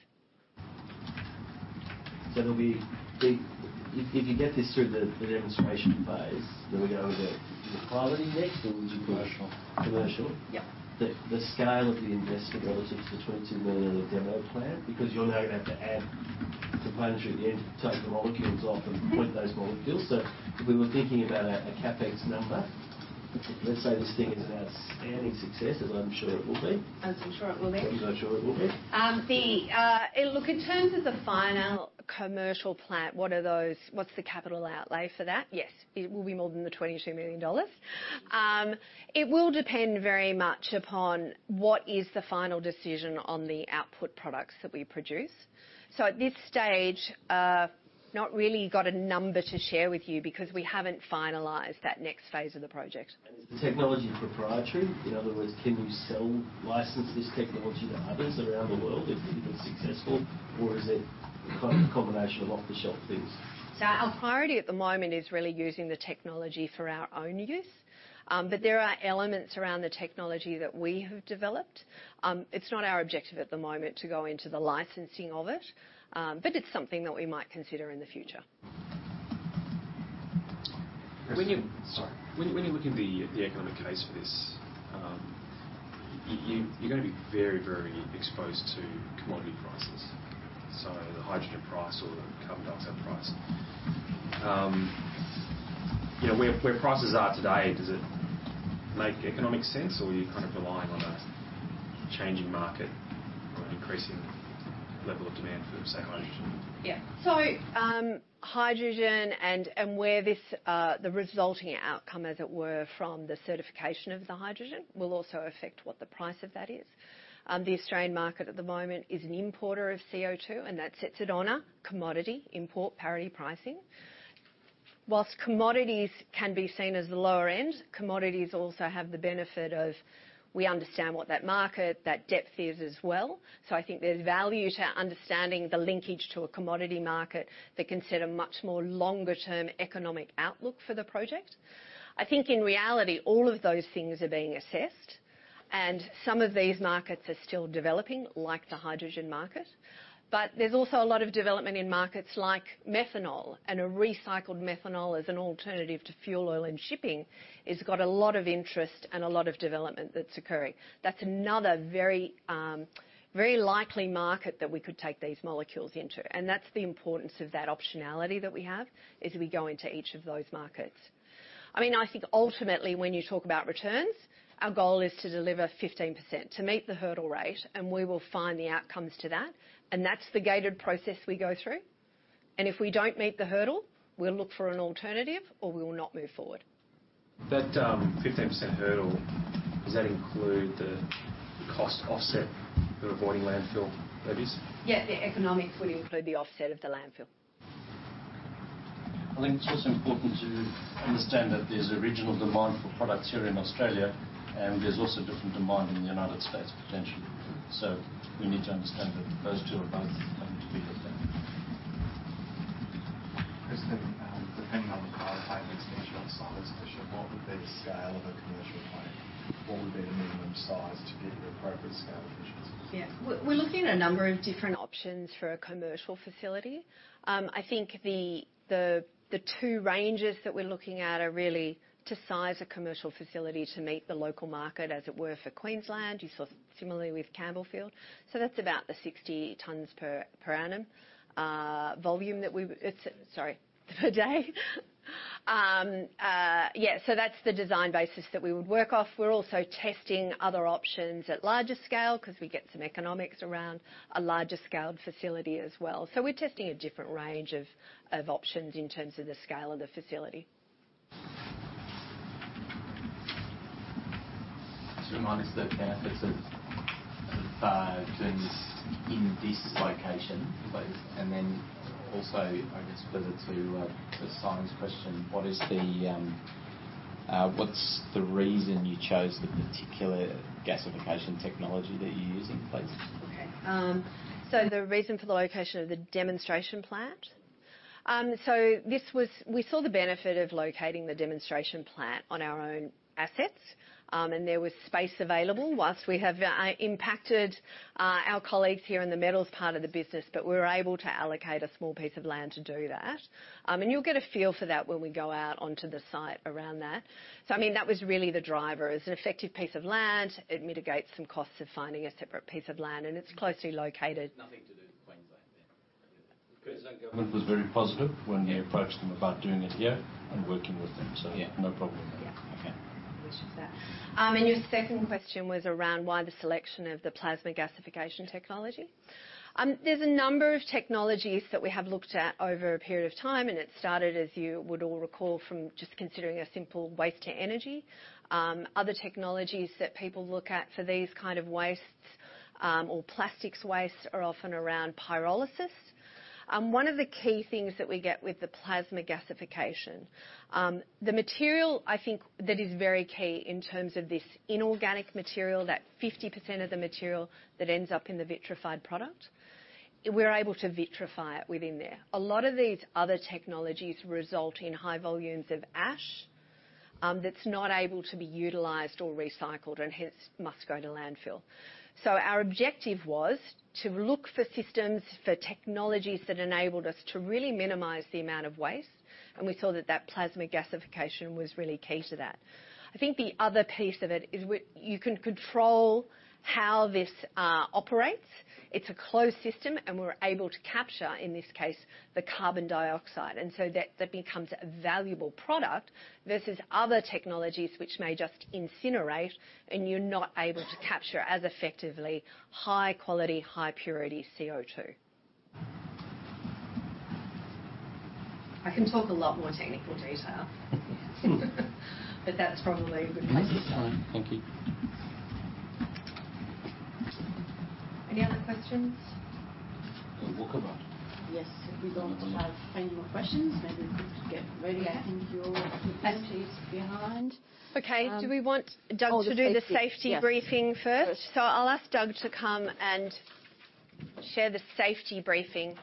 There'll be If you get this through the demonstration phase, then we go over to the quality next, or would you? Commercial. Commercial? Yeah. The scale of the investment relative to $20 million in the demo plant, because you're now gonna have to add components at the end to take the molecules off. Mm-hmm .put those molecules. If we were thinking about a CapEx number, let's say this thing is an outstanding success, as I'm sure it will be. As I'm sure it will be. As I'm sure it will be. Look, in terms of the final commercial plant, what's the capital outlay for that? Yes, it will be more than $22 million. It will depend very much upon what is the final decision on the output products that we produce. At this stage, not really got a number to share with you because we haven't finalized that next phase of the project. Is the technology proprietary? In other words, can you sell license this technology to others around the world if it's successful, or is it kind of a combination of off-the-shelf things? Our priority at the moment is really using the technology for our own use. There are elements around the technology that we have developed. It's not our objective at the moment to go into the licensing of it, but it's something that we might consider in the future. When you- Sorry. When you look at the economic case for this, you're gonna be very exposed to commodity prices, so the hydrogen price or the carbon dioxide price. You know, where prices are today, does it make economic sense or are you kind of relying on a changing market or an increasing level of demand for, say, hydrogen? Yeah. Hydrogen and where this the resulting outcome, as it were, from the certification of the hydrogen will also affect what the price of that is. The Australian market at the moment is an importer of CO2, and that sets it on a commodity import parity pricing. Whilst commodities can be seen as the lower end, commodities also have the benefit of we understand what that market, that depth is as well. I think there's value to understanding the linkage to a commodity market that can set a much more longer term economic outlook for the project. I think in reality, all of those things are being assessed, and some of these markets are still developing, like the hydrogen market. There's also a lot of development in markets like methanol and a recycled methanol as an alternative to fuel oil, and shipping has got a lot of interest and a lot of development that's occurring. That's another very, very likely market that we could take these molecules into, and that's the importance of that optionality that we have, is we go into each of those markets. I mean, I think ultimately when you talk about returns, our goal is to deliver 15% to meet the hurdle rate, and we will find the outcomes to that. That's the gated process we go through. If we don't meet the hurdle, we'll look for an alternative or we will not move forward. That, 15% hurdle, does that include the cost offset for avoiding landfill levies? Yes. The economics would include the offset of the landfill. I think it's also important to understand that there's a regional demand for products here in Australia, and there's also different demand in the United States, potentially. We need to understand that those two are both going to be looked at. Kristen, depending on the type of extension of solids, for sure, what would be the scale of a commercial plant? What would be the minimum size to give you appropriate scale efficiencies? We're looking at a number of different options for a commercial facility. I think the two ranges that we're looking at are really to size a commercial facility to meet the local market, as it were, for Queensland. You saw similarly with Campbellfield. That's about the 60 tons per annum volume that we. Sorry, per day. That's the design basis that we would work off. We're also testing other options at larger scale because we get some economics around a larger scaled facility as well. We're testing a different range of options in terms of the scale of the facility. Just remind us the benefits of doing this in this location, please. Then also, I guess, related to, the science question, what is the, what's the reason you chose the particular gasification technology that you're using, please? Okay. The reason for the location of the demonstration plant. We saw the benefit of locating the demonstration plant on our own assets, and there was space available. Whilst we have impacted our colleagues here in the metals part of the business, but we were able to allocate a small piece of land to do that. You'll get a feel for that when we go out onto the site around that. I mean, that was really the driver. It's an effective piece of land. It mitigates some costs of finding a separate piece of land, and it's closely located. Nothing to do with Queensland then? The Queensland government was very positive when we approached them about doing it here and working with them, so yeah, no problem there. Yeah. Okay. Appreciate that. Your second question was around why the selection of the plasma gasification. There's a number of technologies that we have looked at over a period of time. It started, as you would all recall, from just considering a simple waste to energy. Other technologies that people look at for these kind of wastes or plastics wastes are often around pyrolysis. One of the key things that we get with the plasma gasification, the material I think that is very key in terms of this inorganic material, that 50% of the material that ends up in the vitrified product, we're able to vitrify it within there. A lot of these other technologies result in high volumes of ash. That's not able to be utilized or recycled and hence must go to landfill. Our objective was to look for systems, for technologies that enabled us to really minimize the amount of waste. We saw that plasma gasification was really key to that. I think the other piece of it is you can control how this operates. It's a closed system. We're able to capture, in this case, the carbon dioxide. That becomes a valuable product versus other technologies which may just incinerate and you're not able to capture as effectively high quality, high purity CO2. I can talk a lot more technical detail. That's probably a good place to stop. All right. Thank you. Any other questions? We'll walk around. Yes. If we don't have any more questions, maybe we could get ready. I think your bag is behind. Okay. Do we want Doug to do the safety briefing first? Yes. I'll ask Doug to come and share the safety briefing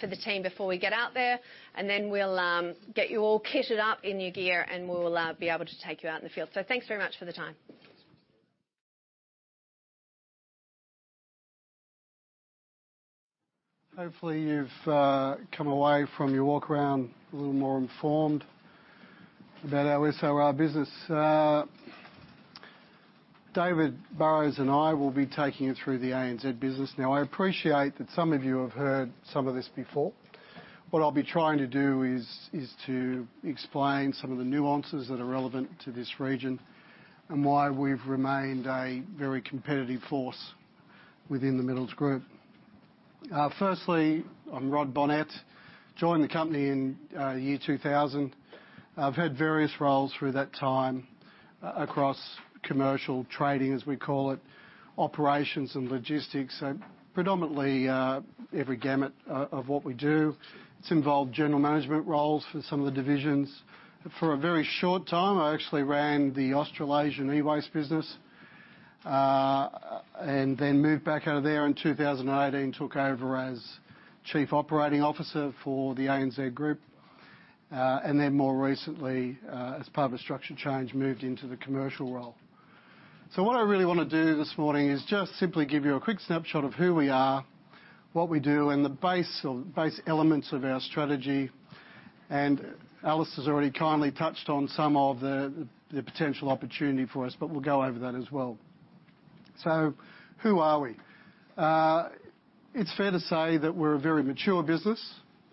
for the team before we get out there, and then we'll get you all kitted up in your gear, and we'll be able to take you out in the field. Thanks very much for the time. Hopefully you've come away from your walk around a little more informed about our SOR business. David Burrows and I will be taking you through the ANZ business. Now, I appreciate that some of you have heard some of this before. What I'll be trying to do is to explain some of the nuances that are relevant to this region and why we've remained a very competitive force within the Metals Group. Firstly, I'm Rod Bonnette. Joined the company in the year 2000. I've had various roles through that time across commercial trading, as we call it, operations and logistics, so predominantly, every gamut of what we do. It's involved general management roles for some of the divisions. For a very short time, I actually ran the Australasian e-waste business, and then moved back out of there in 2018, took over as Chief Operating Officer for the ANZ group. More recently, as part of a structure change, moved into the commercial role. What I really want to do this morning is just simply give you a quick snapshot of who we are, what we do, and the base or base elements of our strategy. Alistair's already kindly touched on some of the potential opportunity for us, but we'll go over that as well. Who are we? It's fair to say that we're a very mature business,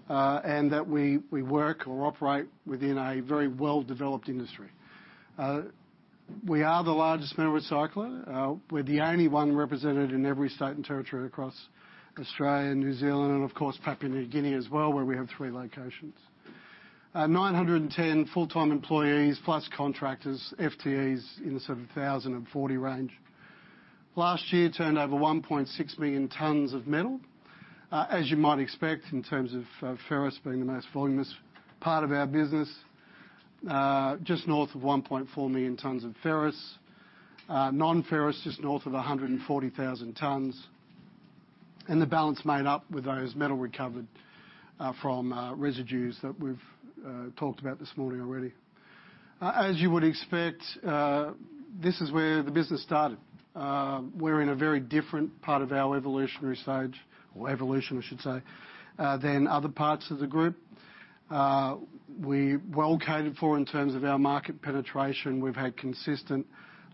and that we work or operate within a very well-developed industry. We are the largest metal recycler. We're the only one represented in every state and territory across Australia and New Zealand and, of course, Papua New Guinea as well, where we have three locations. 910 full-time employees plus contractors, FTEs in the sort of 1,040 range. Last year, turned over 1.6 million tons of metal. As you might expect in terms of ferrous being the most voluminous part of our business, just north of 1.4 million tons of ferrous. Non-ferrous, just north of 140,000 tons. The balance made up with those metal recovered from residues that we've talked about this morning already. As you would expect, this is where the business started. We're in a very different part of our evolutionary stage, or evolution I should say, than other parts of the group. We're well catered for in terms of our market penetration. We've had consistent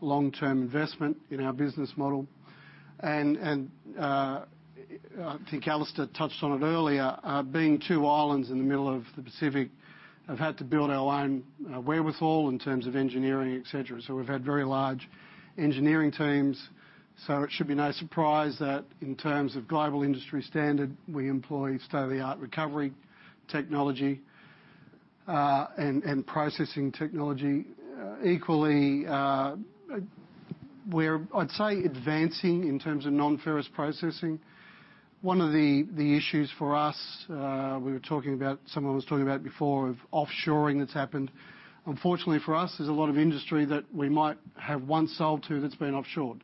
long-term investment in our business model. I think Alistair touched on it earlier, being two islands in the middle of the Pacific, have had to build our own, wherewithal in terms of engineering, et cetera. We've had very large engineering teams, so it should be no surprise that in terms of global industry standard, we employ state-of-the-art recovery technology, and processing technology. Equally, we're, I'd say, advancing in terms of non-ferrous processing. One of the issues for us, we were talking about, someone was talking about before, of offshoring that's happened. Unfortunately for us, there's a lot of industry that we might have once sold to that's been offshored.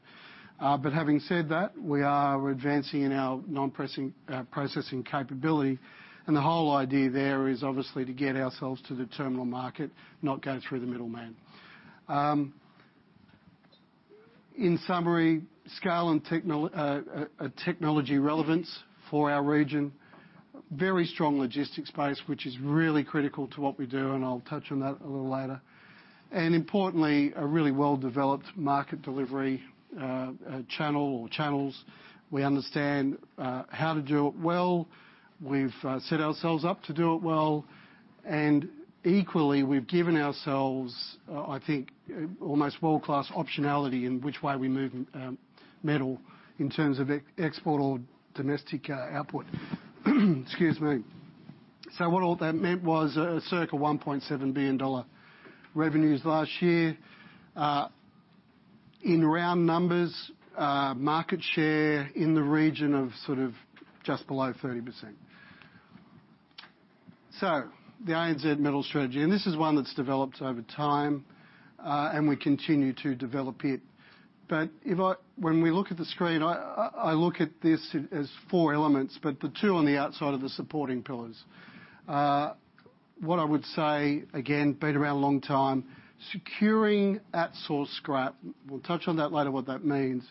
Having said that, we are, we're advancing in our non-pressing processing capability, and the whole idea there is obviously to get ourselves to the terminal market, not go through the middleman. In summary, scale and technology relevance for our region. Very strong logistics base, which is really critical to what we do, and I'll touch on that a little later. Importantly, a really well-developed market delivery channel or channels. We understand how to do it well. We've set ourselves up to do it well. Equally, we've given ourselves, I think, almost world-class optionality in which way we move metal in terms of ex-export or domestic output. Excuse me. What all that meant was, circa 1.7 billion dollar revenues last year. In round numbers, market share in the region of sort of just below 30%. The ANZ metal strategy, and this is one that's developed over time. We continue to develop it. When we look at the screen, I look at this as four elements, but the two on the outside are the supporting pillars. What I would say, again, been around a long time, securing at-source scrap, we'll touch on that later, what that means,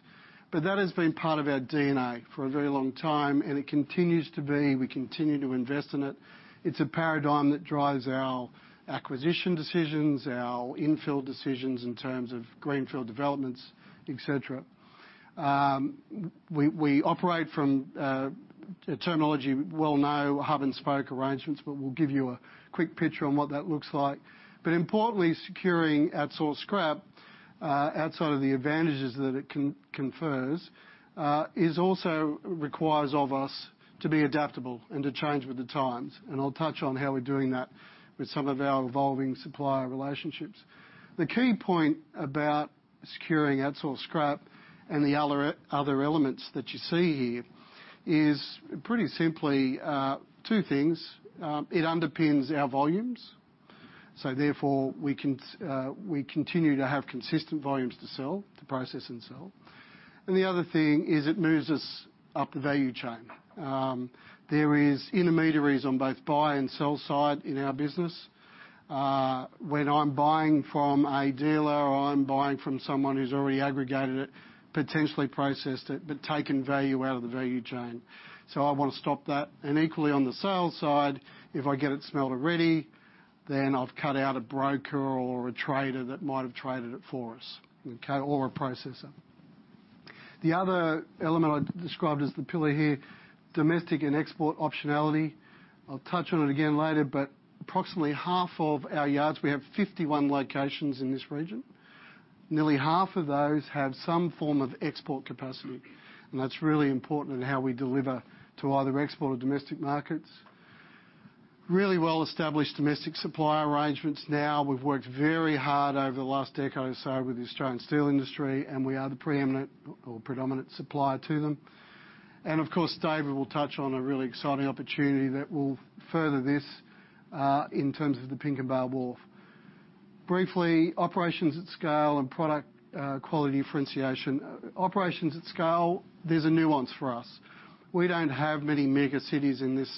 but that has been part of our DNA for a very long time, and it continues to be. We continue to invest in it. It's a paradigm that drives our acquisition decisions, our infill decisions in terms of greenfield developments, et cetera. We operate from terminology well known, hub-and-spoke arrangements, but we'll give you a quick picture on what that looks like. Importantly, securing at-source scrap, outside of the advantages that it confers, is also requires of us to be adaptable and to change with the times. I'll touch on how we're doing that with some of our evolving supplier relationships. The key point about securing at-source scrap and the other elements that you see here is pretty simply, two things. It underpins our volumes, so therefore we can, we continue to have consistent volumes to sell, to process and sell. The other thing is it moves us up the value chain. There is intermediaries on both buy and sell side in our business. When I'm buying from a dealer or I'm buying from someone who's already aggregated it, potentially processed it, but taken value out of the value chain, so I want to stop that. Equally on the sell side, if I get it smelt already, then I've cut out a broker or a trader that might have traded it for us, okay, or a processor. The other element I described as the pillar here, domestic and export optionality, I'll touch on it again later, but approximately half of our yards, we have 51 locations in this region, nearly half of those have some form of export capacity, and that's really important in how we deliver to either export or domestic markets. Really well-established domestic supply arrangements now. We've worked very hard over the last decade or so with the Australian steel industry, and we are the preeminent or predominant supplier to them. Of course, David will touch on a really exciting opportunity that will further this in terms of the Pinkenba Wharf. Briefly, operations at scale and product quality differentiation. Operations at scale, there's a nuance for us. We don't have many mega cities in this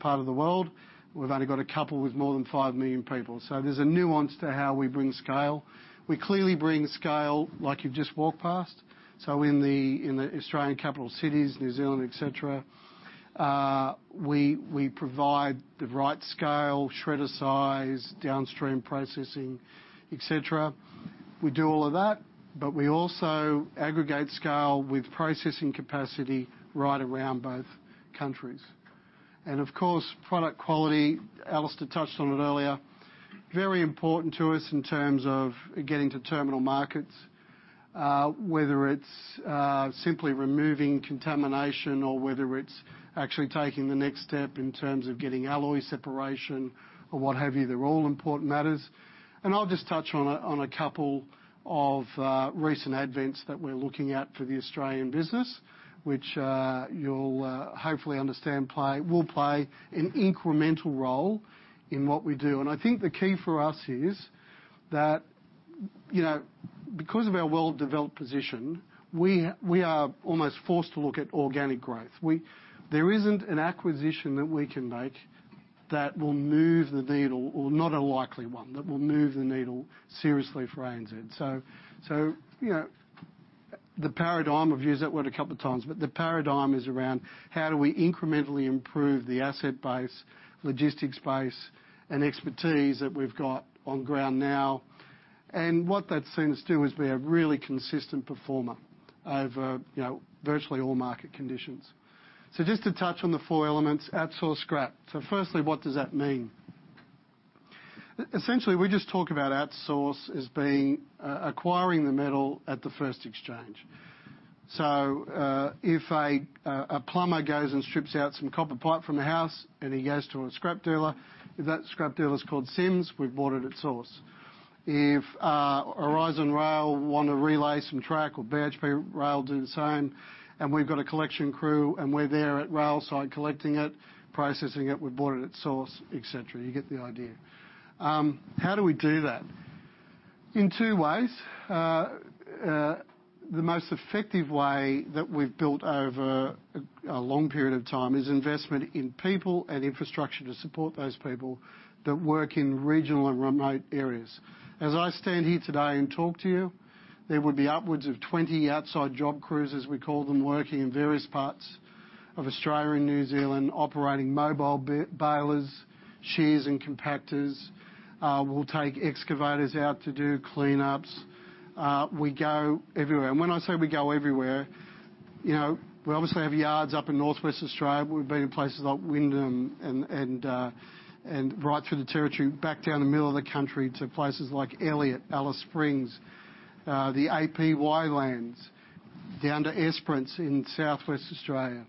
part of the world. We've only got a couple with more than five million people. There's a nuance to how we bring scale. We clearly bring scale like you've just walked past. In the Australian capital cities, New Zealand, et cetera, we provide the right scale, shredder size, downstream processing, et cetera. We do all of that, but we also aggregate scale with processing capacity right around both countries. Of course, product quality, Alistair touched on it earlier, very important to us in terms of getting to terminal markets, whether it's simply removing contamination or whether it's actually taking the next step in terms of getting alloy separation or what have you, they're all important matters. I'll just touch on a couple of recent advents that we're looking at for the Australian business, which you'll hopefully understand will play an incremental role in what we do. I think the key for us is that, you know, because of our well-developed position, we are almost forced to look at organic growth. There isn't an acquisition that we can make that will move the needle, or not a likely one, that will move the needle seriously for ANZ. You know, the paradigm, I've used that word a couple of times, but the paradigm is around how do we incrementally improve the asset base, logistics base, and expertise that we've got on ground now. What that seems to do is be a really consistent performer over, you know, virtually all market conditions. Just to touch on the four elements, at-source scrap. Firstly, what does that mean? Essentially, we just talk about at source as being acquiring the metal at the first exchange. If a plumber goes and strips out some copper pipe from a house and he goes to a scrap dealer, if that scrap dealer is called Sims, we've bought it at source. If Aurizon want to relay some track or BHP do the same, we've got a collection crew, we're there at rail site collecting it, processing it, we've bought it at-source, et cetera. You get the idea. How do we do that? In two ways. The most effective way that we've built over a long period of time is investment in people and infrastructure to support those people that work in regional and remote areas. As I stand here today and talk to you, there would be upwards of 20 outside job crews, as we call them, working in various parts of Australia and New Zealand, operating mobile bi-balers, shears, and compactors, we'll take excavators out to do cleanups. We go everywhere. When I say we go everywhere, you know, we obviously have yards up in Northwest Australia. We've been in places like Wyndham and right through the territory back down the middle of the country to places like Elliott, Alice Springs, the APY Lands, down to Esperance in Southwest Australia.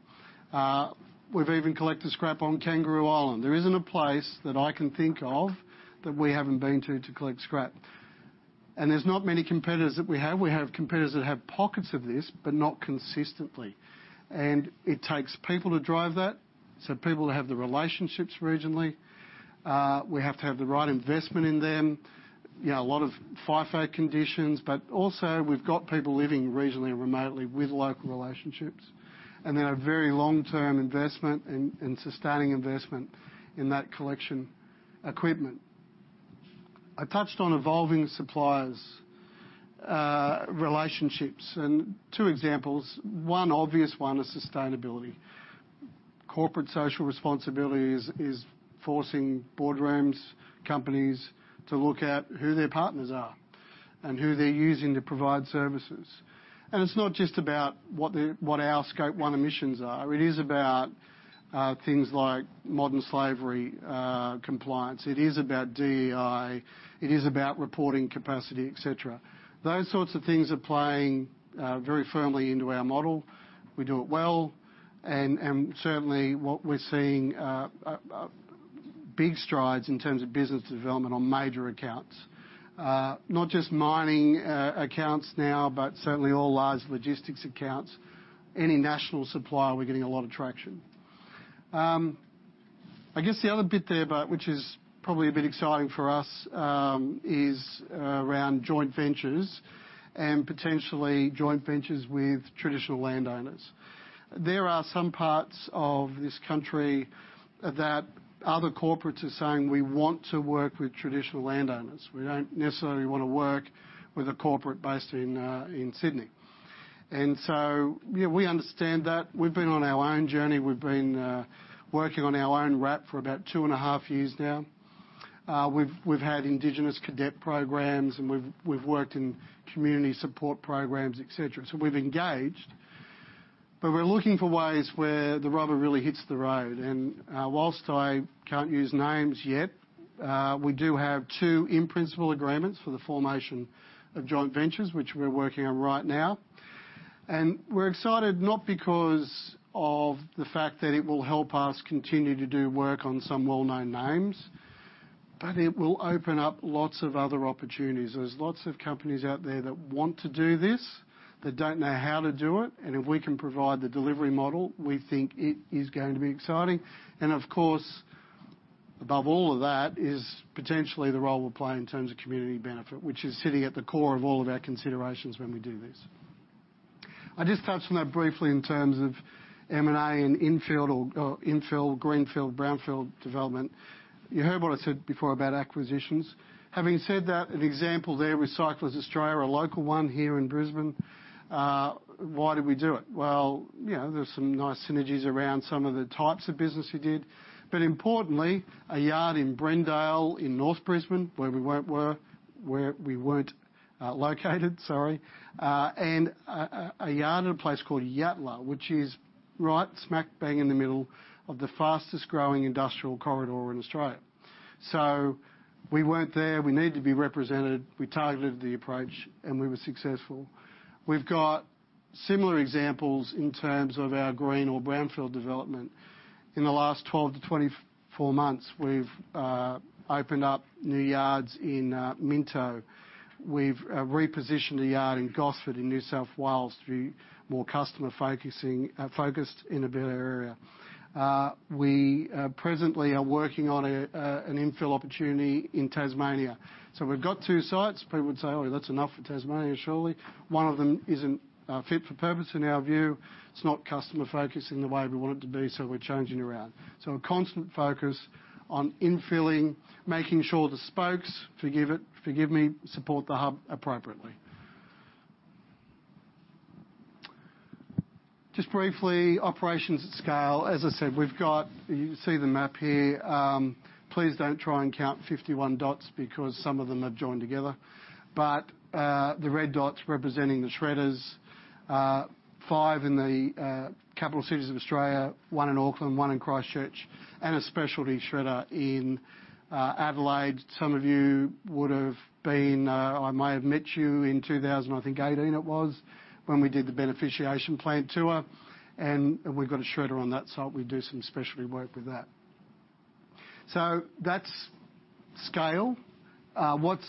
We've even collected scrap on Kangaroo Island. There isn't a place that I can think of that we haven't been to to collect scrap. There's not many competitors that we have. We have competitors that have pockets of this, but not consistently. It takes people to drive that, so people to have the relationships regionally. We have to have the right investment in them. You know, a lot of FIFO conditions, but also we've got people living regionally and remotely with local relationships, and they're a very long-term investment and sustaining investment in that collection equipment. I touched on evolving suppliers' relationships. Two examples, one obvious one is sustainability. Corporate social responsibility is forcing boardrooms, companies to look at who their partners are and who they're using to provide services. It's not just about what our Scope 1 emissions are. It is about things like modern slavery, compliance. It is about DEI. It is about reporting capacity, et cetera. Those sorts of things are playing very firmly into our model. We do it well. Certainly what we're seeing big strides in terms of business development on major accounts. Not just mining accounts now, but certainly all large logistics accounts. Any national supplier, we're getting a lot of traction. I guess the other bit there, but which is probably a bit exciting for us, is around joint ventures and potentially joint ventures with traditional landowners. There are some parts of this country that other corporates are saying, "We want to work with traditional landowners. We don't necessarily wanna work with a corporate based in Sydney." You know, we understand that. We've been on our own journey. We've been working on our own RAP for about two and a half years now. We've had indigenous cadet programs, and we've worked in community support programs, et cetera. We've engaged, but we're looking for ways where the rubber really hits the road. Whilst I can't use names yet, we do have 2 in-principle agreements for the formation of joint ventures, which we're working on right now. We're excited, not because of the fact that it will help us continue to do work on some well-known names, but it will open up lots of other opportunities. There's lots of companies out there that want to do this that don't know how to do it, if we can provide the delivery model, we think it is going to be exciting. Of course, above all of that is potentially the role we'll play in terms of community benefit, which is sitting at the core of all of our considerations when we do this. I just touched on that briefly in terms of M&A and infield or infill, greenfield, brownfield development. You heard what I said before about acquisitions. Having said that, an example there, Recyclers Australia, a local one here in Brisbane, why did we do it? You know, there's some nice synergies around some of the types of business we did. Importantly, a yard in Brendale in North Brisbane where we weren't located, sorry, and a yard in a place called Yatala, which is right smack bang in the middle of the fastest growing industrial corridor in Australia. We weren't there. We need to be represented. We targeted the approach, and we were successful. We've got similar examples in terms of our green or brownfield development. In the last 12-24 months, we've opened up new yards in Minto. We've repositioned a yard in Gosford in New South Wales to be more customer focusing, focused in a better area. We presently are working on an infill opportunity in Tasmania. We've got two sites. People would say, "Oh, that's enough for Tasmania, surely." One of them isn't fit for purpose in our view. It's not customer-focused in the way we want it to be, we're changing around. A constant focus on infilling, making sure the spokes, forgive it, forgive me, support the hub appropriately. Just briefly, operations at scale. As I said, we've got. You see the map here. Please don't try and count 51 dots because some of them are joined together. The red dots representing the shredders, five in the capital cities of Australia, one in Auckland, one in Christchurch, and a specialty shredder in Adelaide. I may have met you in 2018, when we did the beneficiation plant tour, and we've got a shredder on that site. We do some specialty work with that. That's scale. What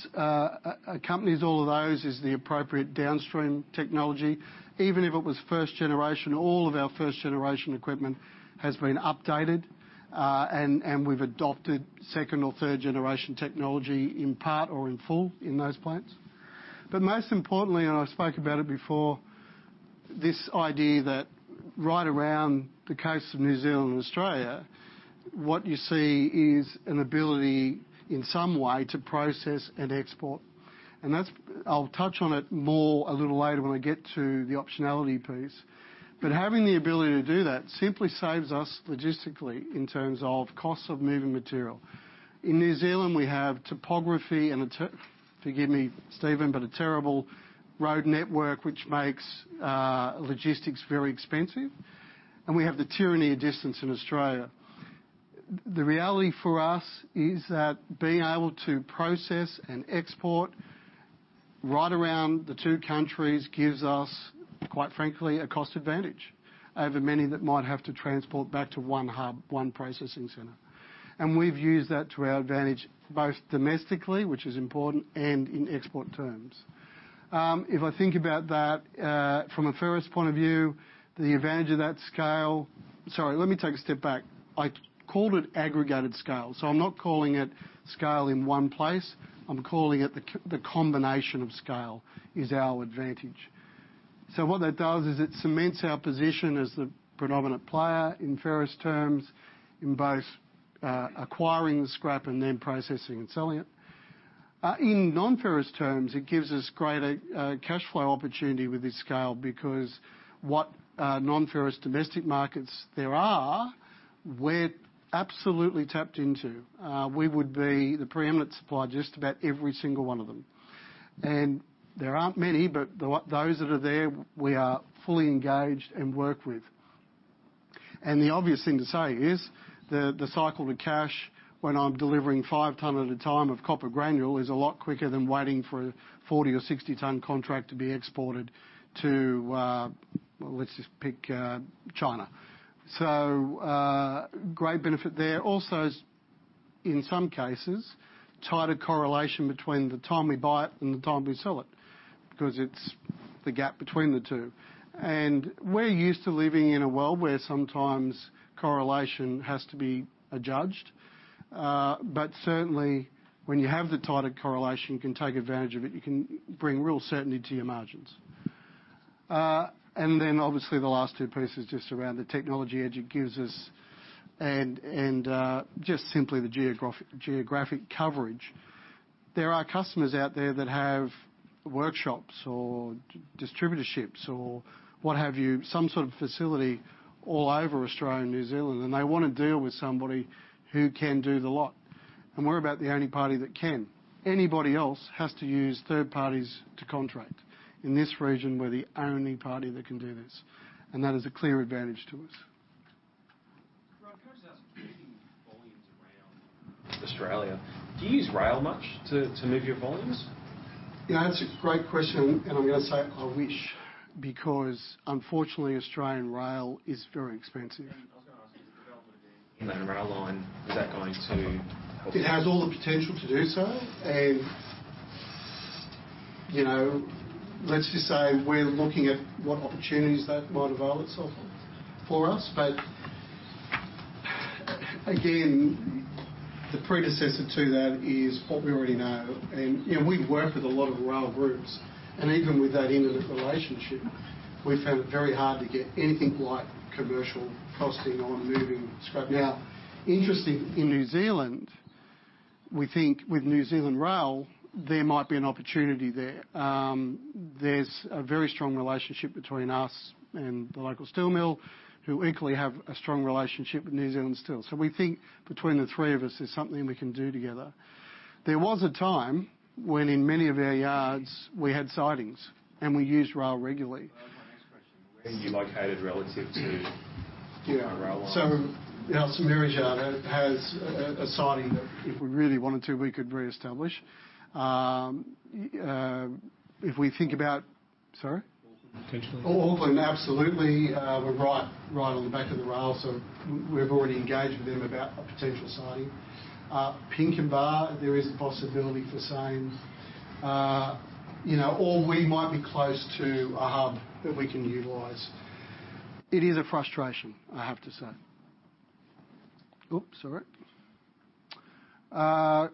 accompanies all of those is the appropriate downstream technology. Even if it was first generation, all of our first generation equipment has been updated, and we've adopted second or third generation technology in part or in full in those plants. Most importantly, and I spoke about it before, this idea that right around the coast of New Zealand and Australia, what you see is an ability in some way to process and export. That's. I'll touch on it more a little later when I get to the optionality piece. Having the ability to do that simply saves us logistically in terms of costs of moving material. In New Zealand, we have topography and forgive me, Stephen, but a terrible road network which makes logistics very expensive. We have the tyranny of distance in Australia. The reality for us is that being able to process and export right around the two countries gives us, quite frankly, a cost advantage over many that might have to transport back to one hub, one processing center. We've used that to our advantage both domestically, which is important, and in export terms. If I think about that from a ferrous point of view, the advantage of that scale. Sorry, let me take a step back. I called it aggregated scale, so I'm not calling it scale in one place. I'm calling it the combination of scale is our advantage. What that does is it cements our position as the predominant player in ferrous terms in both acquiring the scrap and then processing and selling it. In non-ferrous terms, it gives us greater cashflow opportunity with this scale because what non-ferrous domestic markets there are, we're absolutely tapped into. We would be the preeminent supplier just about every single one of them. There aren't many, but those that are there, we are fully engaged and work with. The obvious thing to say is the cycle to cash when I'm delivering 5 ton at a time of copper granule is a lot quicker than waiting for a 40 or 60 ton contract to be exported to, well, let's just pick China. Great benefit there. Also, in some cases, tighter correlation between the time we buy it and the time we sell it, because it's the gap between the two. We're used to living in a world where sometimes correlation has to be adjudged. Certainly when you have the tighter correlation, you can take advantage of it. You can bring real certainty to your margins. Then obviously the last two pieces just around the technology edge it gives us and just simply the geographic coverage. There are customers out there that have workshops or distributorships or what have you, some sort of facility all over Australia and New Zealand, and they wanna deal with somebody who can do the lot. We're about the only party that can. Anybody else has to use third parties to contract. In this region, we're the only party that can do this, and that is a clear advantage to us. Rod, can I just ask moving volumes around Australia, do you use rail much to move your volumes? Yeah, that's a great question, and I'm gonna say I wish, because unfortunately Australian rail is very expensive. I was going to ask you, the development of the Inland Rail line, is that going to help you? It has all the potential to do so. You know, let's just say we're looking at what opportunities that might avail itself for us. Again, the predecessor to that is what we already know. You know, we've worked with a lot of rail groups, and even with that intimate relationship, we found it very hard to get anything like commercial costing on moving scrap. Now interesting, in New Zealand, we think with New Zealand Rail, there might be an opportunity there. There's a very strong relationship between us and the local steel mill who equally have a strong relationship with New Zealand Steel. We think between the three of us, there's something we can do together. There was a time when in many of our yards we had sidings and we used rail regularly. That was my next question. Where are you located relative to- Yeah. the rail line? Our Smorgon yard has a siding that if we really wanted to, we could reestablish. Sorry? Auckland potentially. Auckland, absolutely. We're right on the back of the rail, so we've already engaged with them about a potential siding. Pinkenba there is a possibility for same. you know, or we might be close to a hub that we can utilize. It is a frustration, I have to say. Oops, sorry.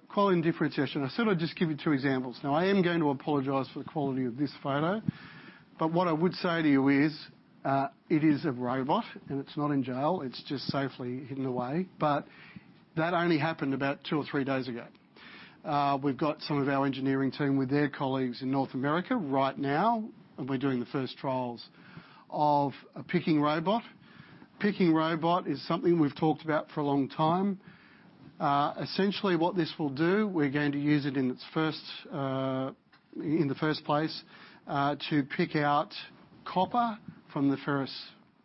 Quality and differentiation. I said I'd just give you two examples. Now I am going to apologize for the quality of this photo, but what I would say to you is, it is a robot, and it's not in jail. It's just safely hidden away. That only happened about two or three days ago. We've got some of our engineering team with their colleagues in North America right now, and we're doing the first trials of a picking robot. Picking robot is something we've talked about for a long time. Essentially what this will do, we're going to use it in its first, in the first place, to pick out copper from the ferrous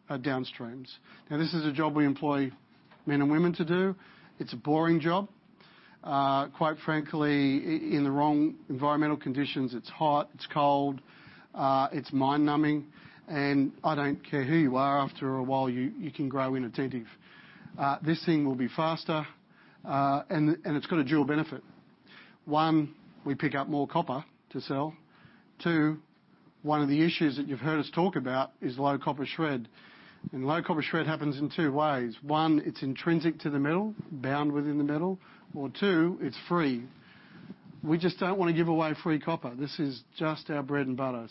downstreams. This is a job we employ men and women to do. It's a boring job. Quite frankly, in the wrong environmental conditions, it's hot, it's cold, it's mind-numbing, and I don't care who you are, after a while you can grow inattentive. This thing will be faster, and it's got a dual benefit. One, we pick up more copper to sell. Two, one of the issues that you've heard us talk about is low copper shred. Low copper shred happens in two ways. One, it's intrinsic to the metal, bound within the metal. Two, it's free. We just don't wanna give away free copper. This is just our bread and butter.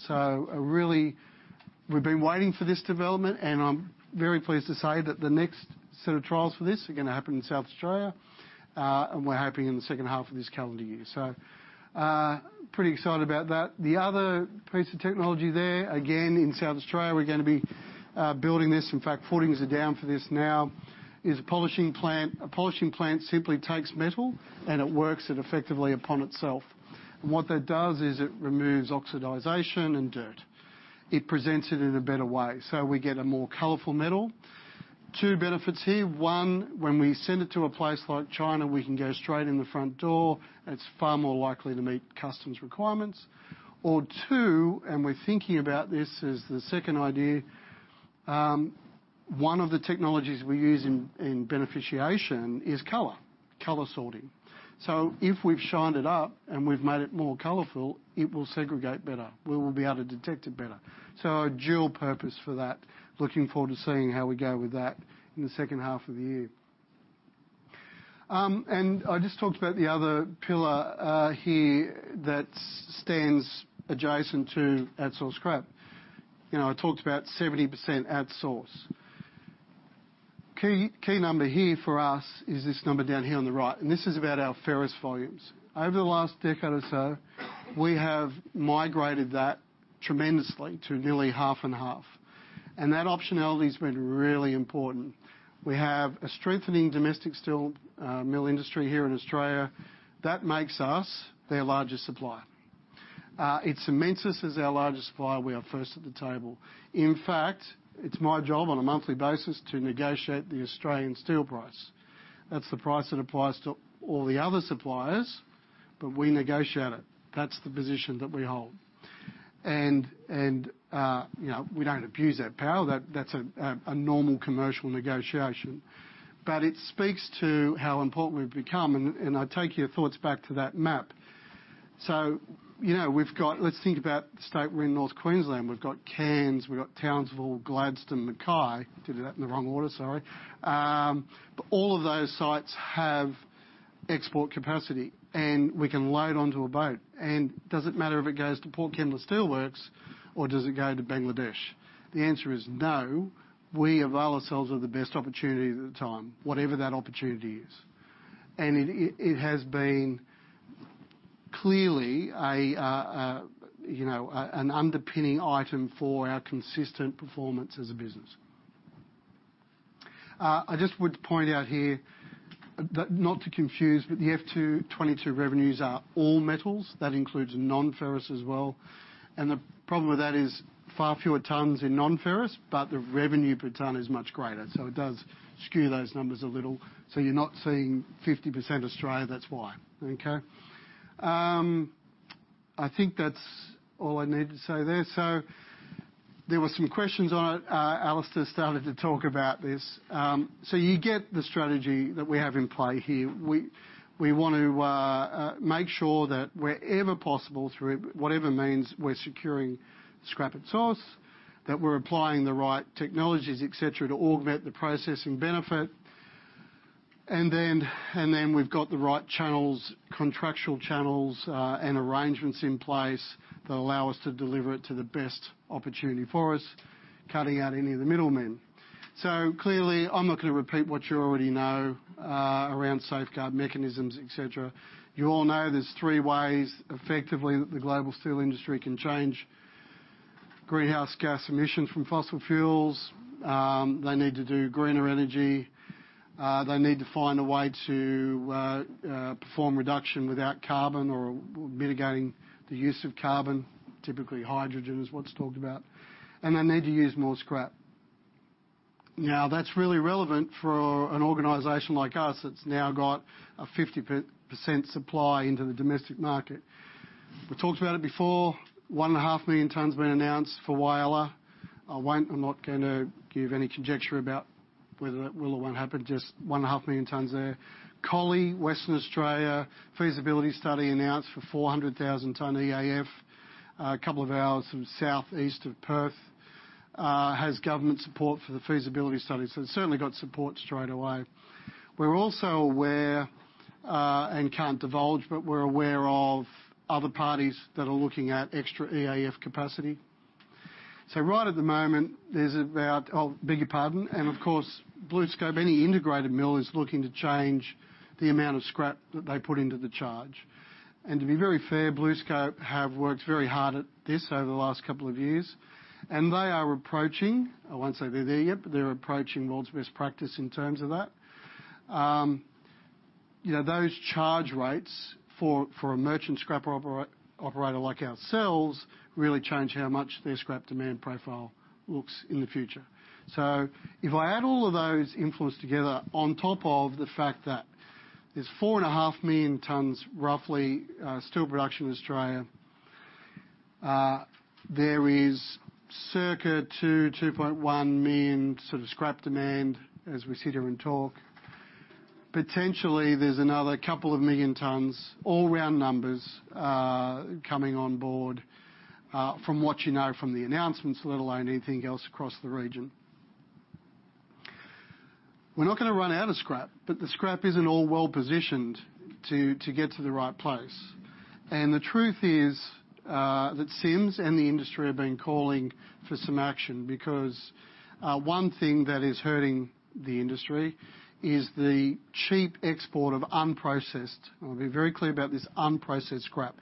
We've been waiting for this development and I'm very pleased to say that the next set of trials for this are gonna happen in South Australia, and we're hoping in the second half of this calendar year. Pretty excited about that. The other piece of technology there, again in South Australia, we're gonna be building this, in fact footings are down for this now, is a polishing plant. A polishing plant simply takes metal, and it works it effectively upon itself. What that does is it removes oxidation and dirt. It presents it in a better way. We get a more colorful metal. Two benefits here. One, when we send it to a place like China, we can go straight in the front door, and it's far more likely to meet customs requirements. Two, we're thinking about this as the second idea, one of the technologies we use in beneficiation is color sorting. If we've shined it up and we've made it more colorful, it will segregate better. We will be able to detect it better. A dual purpose for that, looking forward to seeing how we go with that in the second half of the year. I just talked about the other pillar here that stands adjacent to at-source scrap. You know, I talked about 70% at source. Key number here for us is this number down here on the right, and this is about our ferrous volumes. Over the last decade or so, we have migrated that tremendously to nearly 50/50, and that optionality has been really important. We have a strengthening domestic steel mill industry here in Australia that makes us their largest supplier. It cements us as our largest supplier. We are first at the table. In fact, it's my job on a monthly basis to negotiate the Australian steel price. That's the price that applies to all the other suppliers, but we negotiate it. That's the position that we hold. You know, we don't abuse that power. That's a normal commercial negotiation. It speaks to how important we've become and I take your thoughts back to that map. You know, we've got. Let's think about the state we're in North Queensland. We've got Cairns, we've got Townsville, Gladstone, Mackay. Did that in the wrong order, sorry. All of those sites have export capacity, and we can load onto a boat. Does it matter if it goes to Port Kembla Steelworks or does it go to Bangladesh? The answer is no. We avail ourselves of the best opportunities at the time, whatever that opportunity is. It has been clearly a, you know, an underpinning item for our consistent performance as a business. I just would point out here that not to confuse, but the F22 revenues are all metals. That includes non-ferrous as well. The problem with that is far fewer tons in non-ferrous, but the revenue per ton is much greater, so it does skew those numbers a little. You're not seeing 50% Australia, that's why. Okay? I think that's all I need to say there. There were some questions on it. Alistair started to talk about this. We get the strategy that we have in play here. We want to make sure that wherever possible, through whatever means, we're securing scrap at source, that we're applying the right technologies, et cetera, to augment the processing benefit. We've got the right channels, contractual channels, and arrangements in place that allow us to deliver it to the best opportunity for us, cutting out any of the middlemen. Clearly, I'm not gonna repeat what you already know around Safeguard Mechanism, et cetera. You all know there's three ways, effectively, that the global steel industry can change greenhouse gas emissions from fossil fuels. They need to do greener energy. They need to find a way to perform reduction without carbon or mitigating the use of carbon. Typically, hydrogen is what's talked about. They need to use more scrap. Now that's really relevant for an organization like us that's now got a 50% supply into the domestic market. We talked about it before. 1.5 million tons have been announced for Whyalla. I'm not gonna give any conjecture about whether it will or won't happen, just 1.5 million tons there. Collie, Western Australia, feasibility study announced for 400,000 ton EAF. A couple of hours from southeast of Perth, has government support for the feasibility study, so it's certainly got support straight away. We're also aware, and can't divulge, but we're aware of other parties that are looking at extra EAF capacity. Right at the moment, there's about. Oh, beg your pardon. Of course, BlueScope, any integrated mill, is looking to change the amount of scrap that they put into the charge. To be very fair, BlueScope have worked very hard at this over the last couple of years, and they are approaching, I won't say they're there yet, but they're approaching world's best practice in terms of that. You know, those charge rates for a merchant scrapper operator like ourselves really change how much their scrap demand profile looks in the future. If I add all of those influence together on top of the fact that there's 4.5 million tons, roughly, steel production in Australia, there is circa 2.1 million sort of scrap demand as we sit here and talk. Potentially, there's another 2 million tons, all round numbers, coming on board, from what you know from the announcements, let alone anything else across the region. We're not gonna run out of scrap, but the scrap isn't all well-positioned to get to the right place. The truth is, that Sims and the industry have been calling for some action because one thing that is hurting the industry is the cheap export of unprocessed, I want to be very clear about this, unprocessed scrap.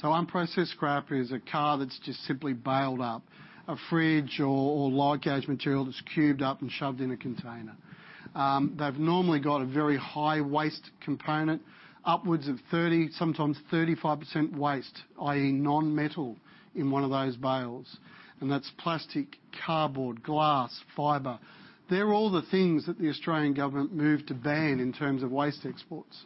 Unprocessed scrap is a car that's just simply baled up, a fridge or light gauge material that's cubed up and shoved in a container. They've normally got a very high waste component, upwards of 30, sometimes 35% waste, i.e., non-metal in one of those bales, and that's plastic, cardboard, glass, fiber. They're all the things that the Australian government moved to ban in terms of waste exports.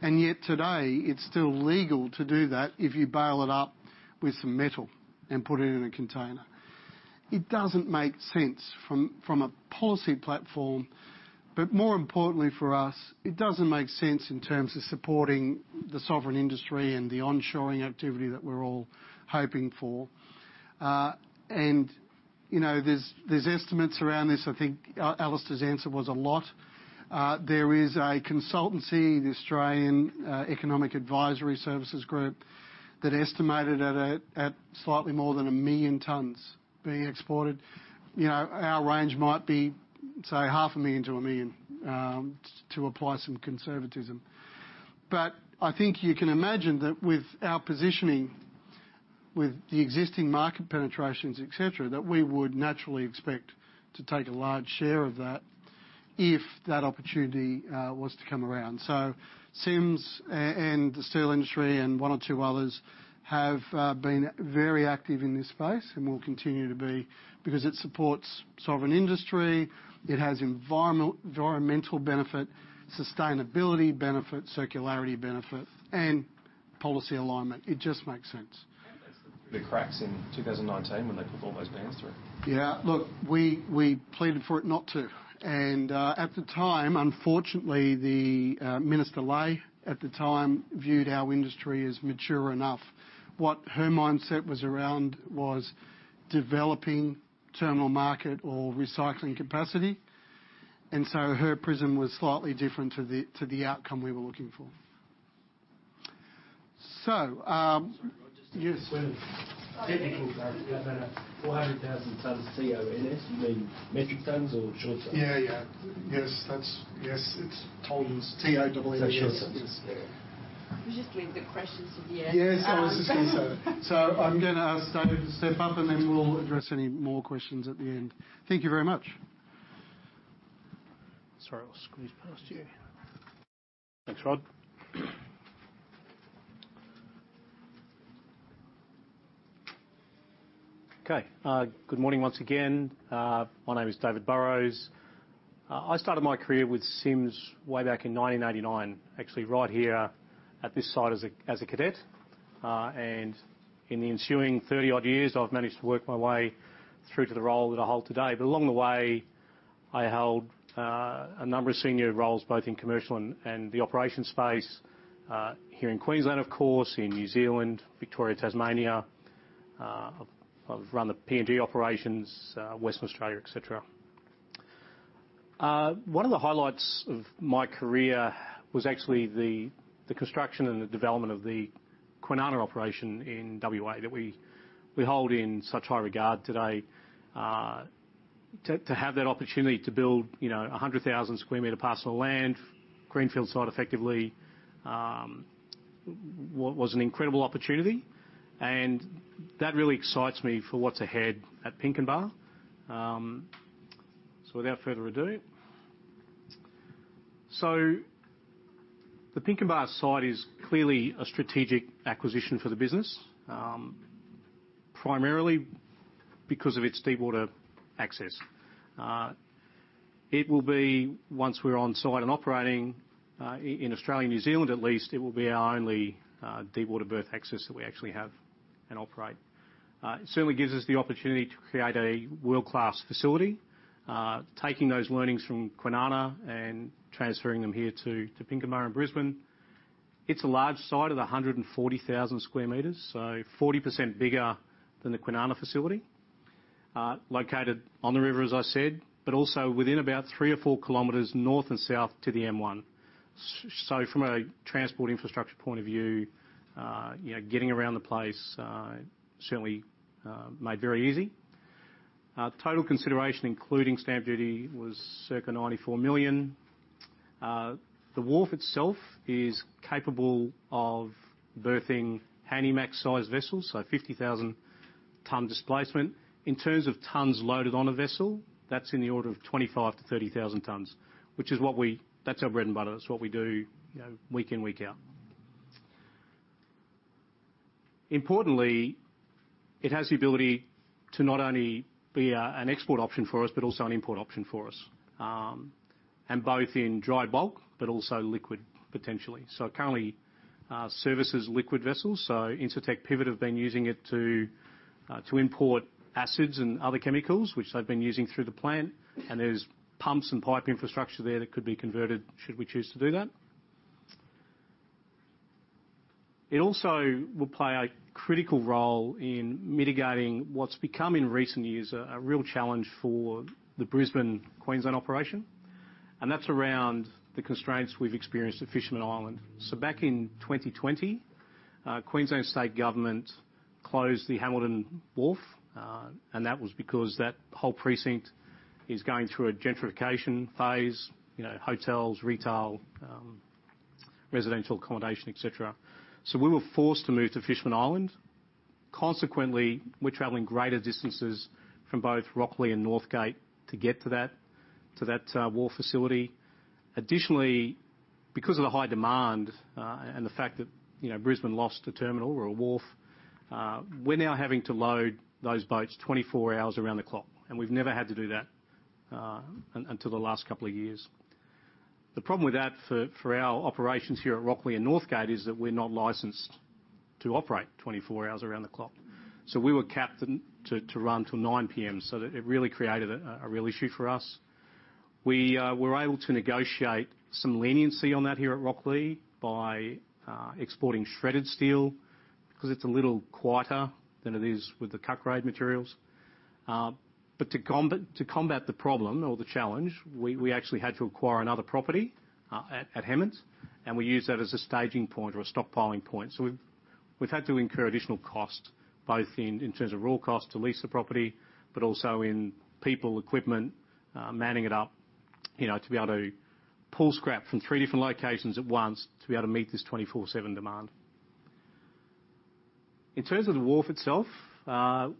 Yet today, it's still legal to do that if you bale it up with some metal and put it in a container. It doesn't make sense from a policy platform, but more importantly for us, it doesn't make sense in terms of supporting the sovereign industry and the onshoring activity that we're all hoping for. You know, there's estimates around this. I think Alistair's answer was a lot. There is a consultancy, the Australian Economic Advisory Services Group, that estimated at slightly more than 1 million tons being exported. You know, our range might be, say, half a million to 1 million to apply some conservatism. I think you can imagine that with our positioning, with the existing market penetrations, et cetera, that we would naturally expect to take a large share of that if that opportunity was to come around. Sims and the steel industry and one or two others have been very active in this space and will continue to be because it supports sovereign industry, it has environmental benefit, sustainability benefit, circularity benefit, and policy alignment. It just makes sense. That's the cracks in 2019 when they put all those bans through. Yeah. Look, we pleaded for it not to. At the time, unfortunately, the Sussan Ley at the time viewed our industry as mature enough. What her mindset was around was developing terminal market or recycling capacity. Her prism was slightly different to the outcome we were looking for. Sorry, Rod. Yes. Technical term. Sorry. Yeah, I know. 400,000 tons CONS, you mean metric tons or short tons? Yeah, yeah. Yes, that's. Yes, it's tons. T-O-double N-S. short tons. There. Can we just leave the questions to the end? Yes, I was just gonna say. I'm gonna ask David to step up, and then we'll address any more questions at the end. Thank you very much. Sorry, I'll squeeze past you. Thanks, Rod. Okay. Good morning once again. My name is David Burrows. I started my career with Sims way back in 1989, actually right here at this site as a cadet. In the ensuing 30-odd years, I've managed to work my way through to the role that I hold today. Along the way, I held a number of senior roles, both in commercial and the operations space, here in Queensland, of course, in New Zealand, Victoria, Tasmania. I've run the PNG operations, Western Australia, et cetera. One of the highlights of my career was actually the construction and the development of the Kwinana operation in WA that we hold in such high regard today. to have that opportunity to build, you know, 100,000 square meter parcel of land, greenfield site effectively, was an incredible opportunity, and that really excites me for what's ahead at Pinkenba. Without further ado. The Pinkenba site is clearly a strategic acquisition for the business, primarily because of its deep water access. It will be, once we're on site and operating, in Australia and New Zealand, at least, it will be our only deep water berth access that we actually have and operate. It certainly gives us the opportunity to create a world-class facility, taking those learnings from Kwinana and transferring them here to Pinkenba in Brisbane. It's a large site of 140,000 square meters, so 40% bigger than the Kwinana facility, located on the river, as I said, but also within about 3 or 4 km north and south to the M1. From a transport infrastructure point of view, you know, getting around the place, certainly made very easy. Total consideration, including stamp duty, was circa 94 million. The wharf itself is capable of berthing Handymax size vessels, so 50,000 ton displacement. In terms of tons loaded on a vessel, that's in the order of 25,000-30,000 tons. That's our bread and butter. That's what we do, you know, week in, week out. Importantly, it has the ability to not only be an export option for us, but also an import option for us, and both in dry bulk, but also liquid, potentially. It currently services liquid vessels, so Incitec Pivot have been using it to import acids and other chemicals, which they've been using through the plant. There's pumps and pipe infrastructure there that could be converted should we choose to do that. It also will play a critical role in mitigating what's become, in recent years, a real challenge for the Brisbane, Queensland operation, and that's around the constraints we've experienced at Fisherman Island. Back in 2020, Queensland State Government closed the Hamilton Wharf, and that was because that whole precinct is going through a gentrification phase, you know, hotels, retail, residential accommodation, et cetera. We were forced to move to Fisherman Island. Consequently, we're traveling greater distances from both Rocklea and Northgate to get to that wharf facility. Additionally, because of the high demand, and the fact that, you know, Brisbane lost a terminal or a wharf, we're now having to load those boats 24 hours around the clock, and we've never had to do that until the last couple of years. The problem with that for our operations here at Rocklea and Northgate is that we're not licensed to operate 24 hours around the clock. We were capped to run till 9:00 P.M., so that it really created a real issue for us. We were able to negotiate some leniency on that here at Rocklea by exporting shredded steel, because it's a little quieter than it is with the cut grade materials. To combat the problem or the challenge, we actually had to acquire another property at Hemmant, and we use that as a staging point or a stockpiling point. We've had to incur additional costs, both in terms of raw costs to lease the property, but also in people, equipment, manning it up, you know, to be able to pull scrap from three different locations at once to be able to meet this 24/7 demand. In terms of the wharf itself, the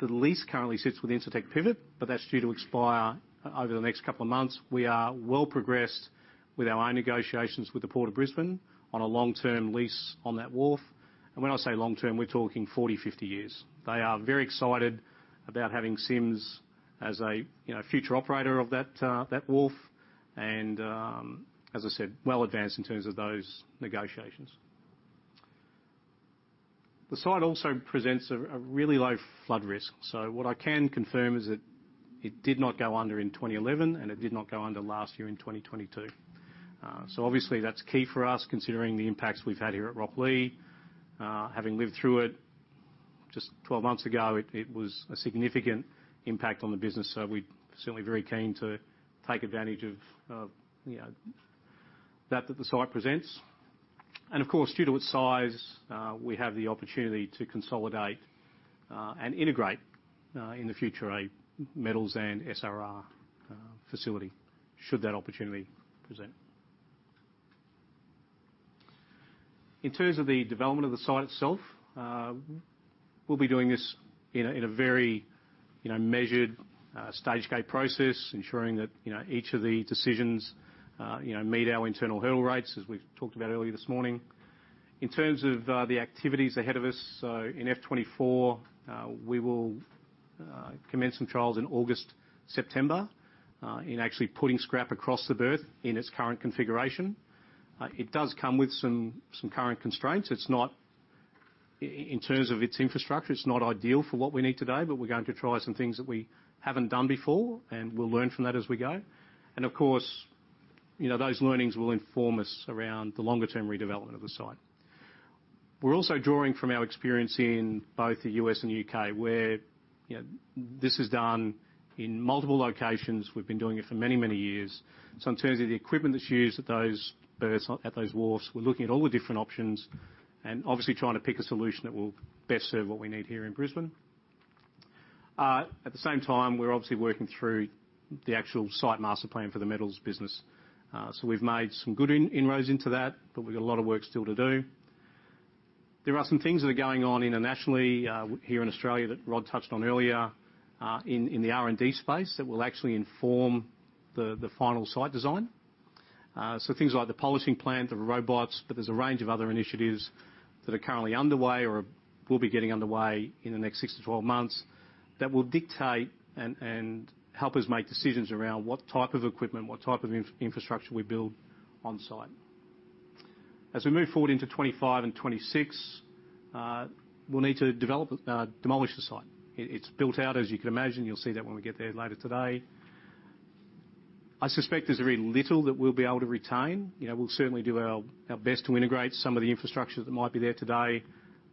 lease currently sits with Incitec Pivot, but that's due to expire over the next couple of months. We are well progressed with our own negotiations with the Port of Brisbane on a long-term lease on that wharf. When I say long-term, we're talking 40, 50 years. They are very excited about having Sims as a, you know, future operator of that wharf and, as I said, well advanced in terms of those negotiations. The site also presents a really low flood risk, so what I can confirm is that it did not go under in 2011, and it did not go under last year in 2022. Obviously that's key for us, considering the impacts we've had here at Rocklea. Having lived through it just 12 months ago, it was a significant impact on the business, so we're certainly very keen to take advantage of, you know, that the site presents. Of course, due to its size, we have the opportunity to consolidate and integrate in the future a metals and SRR facility should that opportunity present. In terms of the development of the site itself, we'll be doing this in a very, you know, measured, stage gate process, ensuring that, you know, each of the decisions, you know, meet our internal hurdle rates, as we've talked about earlier this morning. In terms of the activities ahead of us, in FY24, we will commence some trials in August, September, in actually putting scrap across the berth in its current configuration. It does come with some current constraints. It's not. In terms of its infrastructure, it's not ideal for what we need today, we're going to try some things that we haven't done before, we'll learn from that as we go. Of course, you know, those learnings will inform us around the longer-term redevelopment of the site. We're also drawing from our experience in both the U.S. and the U.K., where, you know, this is done in multiple locations. We've been doing it for many, many years. In terms of the equipment that's used at those berths, at those wharfs, we're looking at all the different options and obviously trying to pick a solution that will best serve what we need here in Brisbane. At the same time, we're obviously working through the actual site master plan for the metals business. We've made some good inroads into that, but we've got a lot of work still to do. There are some things that are going on internationally here in Australia that Rod touched on earlier in the R&D space that will actually inform the final site design. Things like the polishing plant, the robots, but there's a range of other initiatives that are currently underway or will be getting underway in the next 6 to 12 months that will dictate and help us make decisions around what type of equipment, what type of infrastructure we build on-site. As we move forward into 2025 and 2026, we'll need to develop, demolish the site. It's built out, as you can imagine. You'll see that when we get there later today. I suspect there's very little that we'll be able to retain. You know, we'll certainly do our best to integrate some of the infrastructure that might be there today,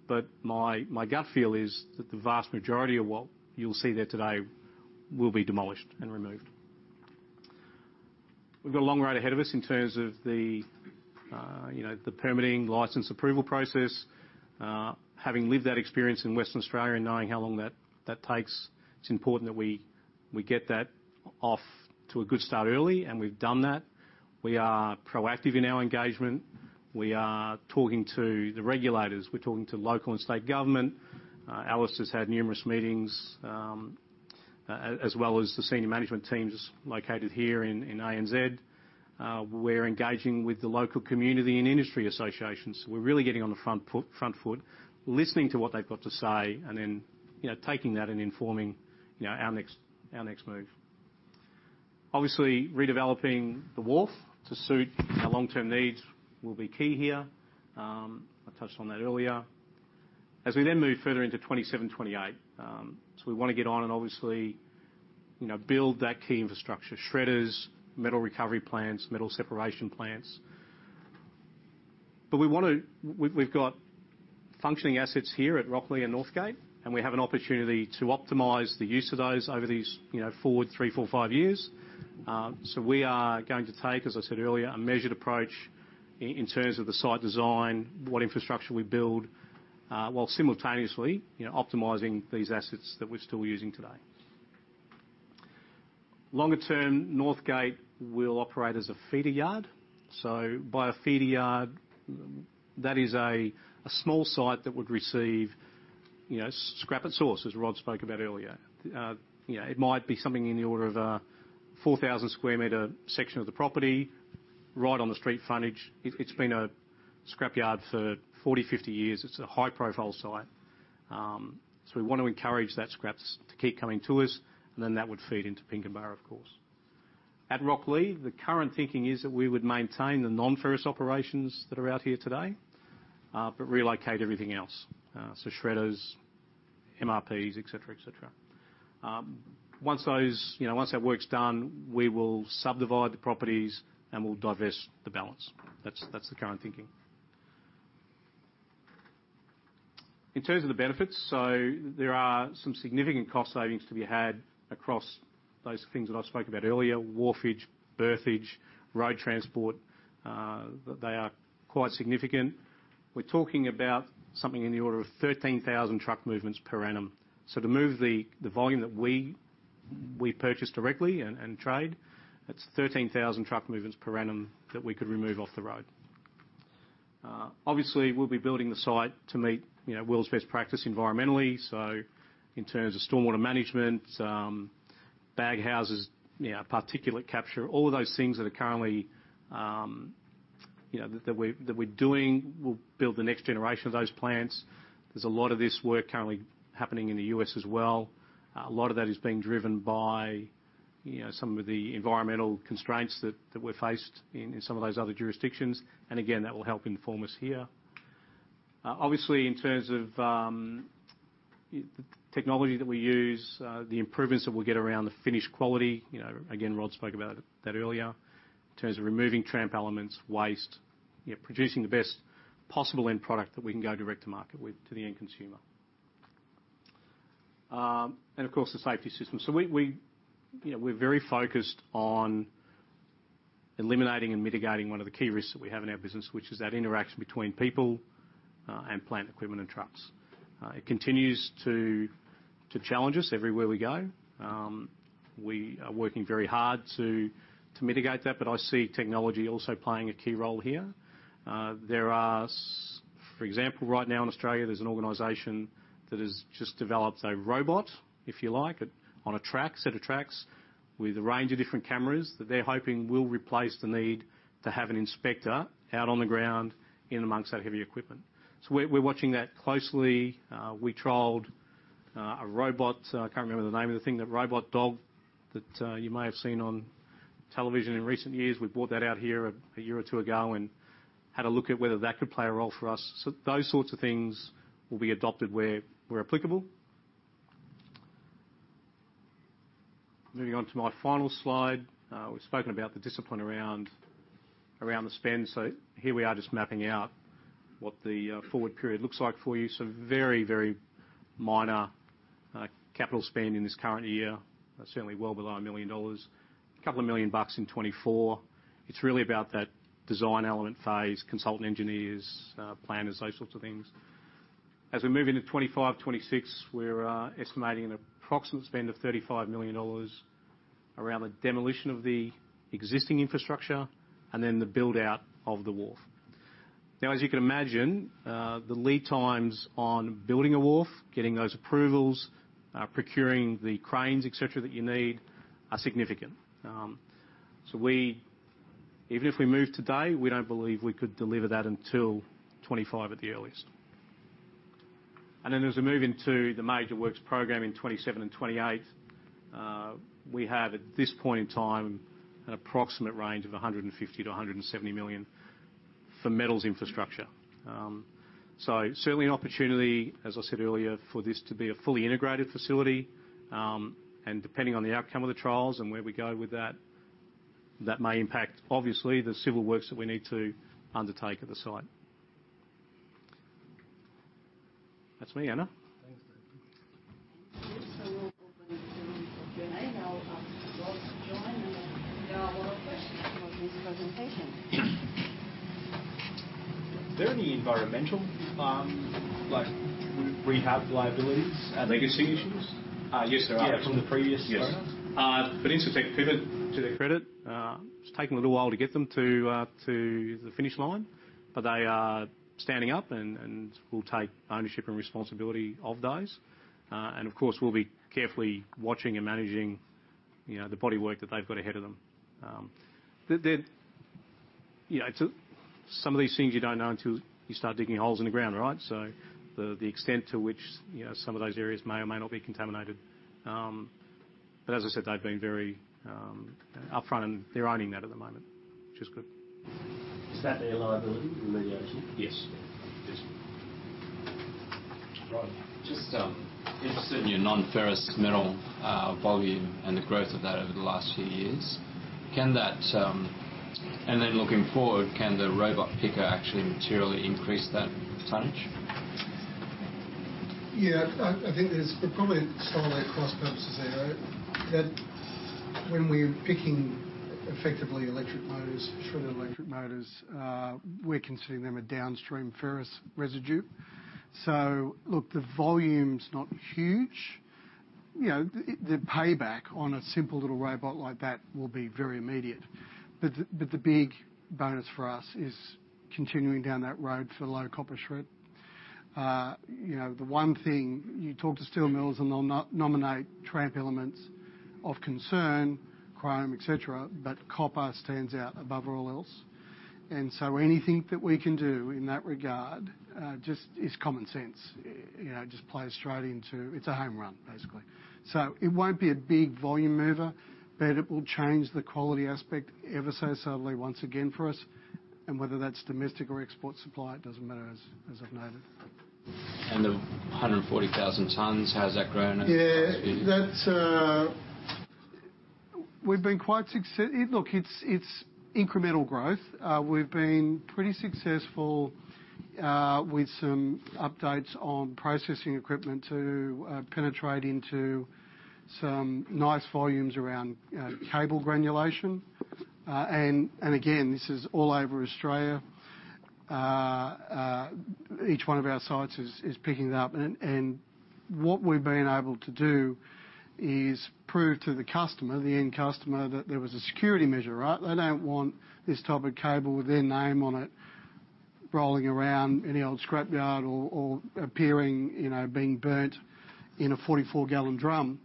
but my gut feel is that the vast majority of what you'll see there today will be demolished and removed. We've got a long road ahead of us in terms of the, you know, the permitting license approval process. Having lived that experience in Western Australia and knowing how long that takes, it's important that we get that off to a good start early, and we've done that. We are proactive in our engagement. We are talking to the regulators. We're talking to local and state government. Alistair has had numerous meetings, as well as the senior management teams located here in ANZ. We're engaging with the local community and industry associations. We're really getting on the front foot, listening to what they've got to say and then, you know, taking that and informing, you know, our next move. Obviously, redeveloping the wharf to suit our long-term needs will be key here. I touched on that earlier. As we then move further into 27, 28, we wanna get on and obviously, you know, build that key infrastructure, shredders, metal recovery plants, metal separation plants. We've got functioning assets here at Rocklea and Northgate, and we have an opportunity to optimize the use of those over these, you know, forward 3, 4, 5 years. We are going to take, as I said earlier, a measured approach in terms of the site design, what infrastructure we build, while simultaneously, you know, optimizing these assets that we're still using today. Longer term, Northgate will operate as a feeder yard. By a feeder yard, that is a small site that would receive, you know, scrap at source, as Rod spoke about earlier. You know, it might be something in the order of a 4,000 square meter section of the property. Right on the street frontage. It's been a scrapyard for 40, 50 years. It's a high-profile site. We want to encourage that scrap to keep coming to us, and then that would feed into Pinkenba, of course. At Rocklea, the current thinking is that we would maintain the non-ferrous operations that are out here today, but relocate everything else. Shredders, MRFs, et cetera, et cetera. Once those, you know, once that work's done, we will subdivide the properties, and we'll divest the balance. That's the current thinking. In terms of the benefits, there are some significant cost savings to be had across those things that I've spoke about earlier, wharfage, berthage, road transport. They are quite significant. We're talking about something in the order of 13,000 truck movements per annum. To move the volume that we purchase directly and trade, that's 13,000 truck movements per annum that we could remove off the road. Obviously, we'll be building the site to meet, you know, world's best practice environmentally. In terms of stormwater management, some bag houses, you know, particulate capture, all of those things that are currently, you know, that we're doing, we'll build the next generation of those plants. There's a lot of this work currently happening in the US as well. A lot of that is being driven by, you know, some of the environmental constraints that we're faced in some of those other jurisdictions. Again, that will help inform us here. Obviously, in terms of technology that we use, the improvements that we'll get around the finish quality. You know, again, Rod spoke about that earlier. In terms of removing tramp elements, waste, you know, producing the best possible end product that we can go direct to market with to the end consumer. Of course, the safety system. We, you know, we're very focused on eliminating and mitigating one of the key risks that we have in our business, which is that interaction between people and plant equipment and trucks. It continues to challenge us everywhere we go. We are working very hard to mitigate that, but I see technology also playing a key role here. There are for example, right now in Australia, there's an organization that has just developed a robot, if you like, it on a track, set of tracks with a range of different cameras that they're hoping will replace the need to have an inspector out on the ground in amongst that heavy equipment. We're watching that closely. We trialed a robot, I can't remember the name of the thing, the robot dog that you may have seen on television in recent years. We brought that out here a year or two ago and had a look at whether that could play a role for us. Those sorts of things will be adopted where applicable. Moving on to my final slide. We've spoken about the discipline around the spend. Here we are just mapping out what the forward period looks like for you. Very minor capital spend in this current year. Certainly well below 1 million dollars. 2 million bucks in 2024. It's really about that design element phase, consultant engineers, planners, those sorts of things. As we move into 2025, 2026, we're estimating an approximate spend of 35 million dollars around the demolition of the existing infrastructure and then the build-out of the wharf. As you can imagine, the lead times on building a wharf, getting those approvals, procuring the cranes, et cetera, that you need are significant. Even if we move today, we don't believe we could deliver that until 2025 at the earliest. As we move into the major works program in 2027 and 2028, we have, at this point in time, an approximate range of 150 million-170 million for metals infrastructure. Certainly an opportunity, as I said earlier, for this to be a fully integrated facility. Depending on the outcome of the trials and where we go with that may impact, obviously, the civil works that we need to undertake at the site. That's me, Ana. Thanks, David. We'll open the floor for Q&A. Now I'll ask Rod to join, and there are a lot of questions for this presentation. Is there any environmental, like rehab liabilities at these locations? Yes, there are. Yeah, from the previous owners? Yes. Incitec Pivot, to their credit, it's taken a little while to get them to the finish line. They are standing up and will take ownership and responsibility of those. Of course, we'll be carefully watching and managing, you know, the body of work that they've got ahead of them. You know, some of these things you don't know until you start digging holes in the ground, right? The, the extent to which, you know, some of those areas may or may not be contaminated. As I said, they've been very upfront, and they're owning that at the moment, which is good. Is that their liability, remediation? Yes. Yes. Rod. Just interested in your non-ferrous metal, volume and the growth of that over the last few years. Looking forward, can the robot picker actually materially increase that tonnage? Yeah. I think there's probably slightly at cross-purposes there. That when we're picking effectively electric motors, shred electric motors, we're considering them a downstream ferrous residue. Look, the volume's not huge. You know, the payback on a simple little robot like that will be very immediate. The big bonus for us is continuing down that road for low copper shred. You know, the one thing, you talk to steel mills, and they'll nominate tramp elements of concern, chrome, et cetera, but copper stands out above all else. Anything that we can do in that regard, just is common sense. You know, just play straight into. It's a home run, basically. It won't be a big volume mover, but it will change the quality aspect ever so subtly once again for us. Whether that's domestic or export supply, it doesn't matter, as I've noted. The 140,000 tons, how has that grown? Yeah. That's. Look, it's incremental growth. We've been pretty successful with some updates on processing equipment to penetrate into some nice volumes around cable granulation. Again, this is all over Australia. Each one of our sites is picking it up, and what we've been able to do is prove to the customer, the end customer, that there was a security measure, right? They don't want this type of cable with their name on it rolling around any old scrap yard or appearing, you know, being burnt in a 44 gal drum.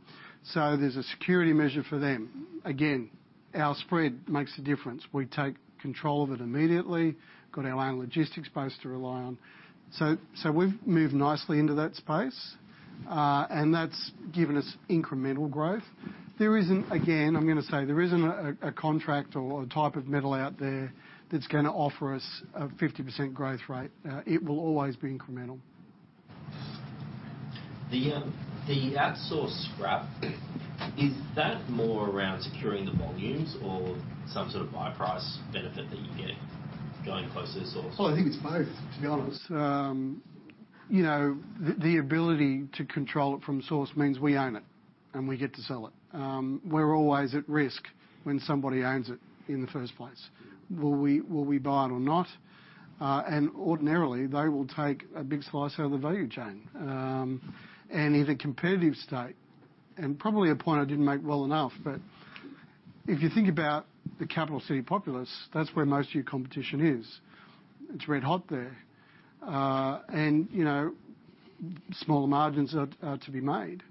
There's a security measure for them. Again, our spread makes a difference. We take control of it immediately, got our own logistics base to rely on. We've moved nicely into that space, and that's given us incremental growth. Again, I'm gonna say, there isn't a contract or a type of metal out there that's gonna offer us a 50% growth rate. It will always be incremental. The at-source scrap, is that more around securing the volumes or some sort of buy price benefit that you get going closer to source? Well, I think it's both, to be honest. You know, the ability to control it from source means we own it, and we get to sell it. We're always at risk when somebody owns it in the first place. Will we buy it or not? Ordinarily, they will take a big slice out of the value chain. In a competitive state, and probably a point I didn't make well enough, but if you think about the capital city populace, that's where most of your competition is. It's red hot there. You know, smaller margins are to be made.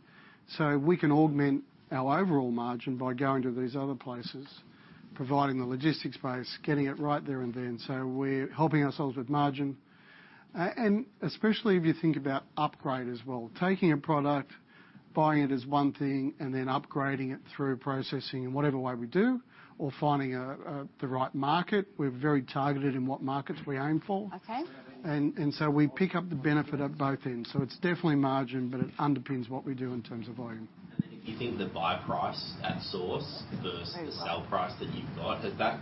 We can augment our overall margin by going to these other places, providing the logistics base, getting it right there and then. We're helping ourselves with margin. Especially if you think about upgrade as well, taking a product, buying it as one thing, and then upgrading it through processing in whatever way we do or finding the right market. We're very targeted in what markets we aim for. Okay. We pick up the benefit at both ends. It's definitely margin, but it underpins what we do in terms of volume. If you think the buy price at source versus the sell price that you've got, has that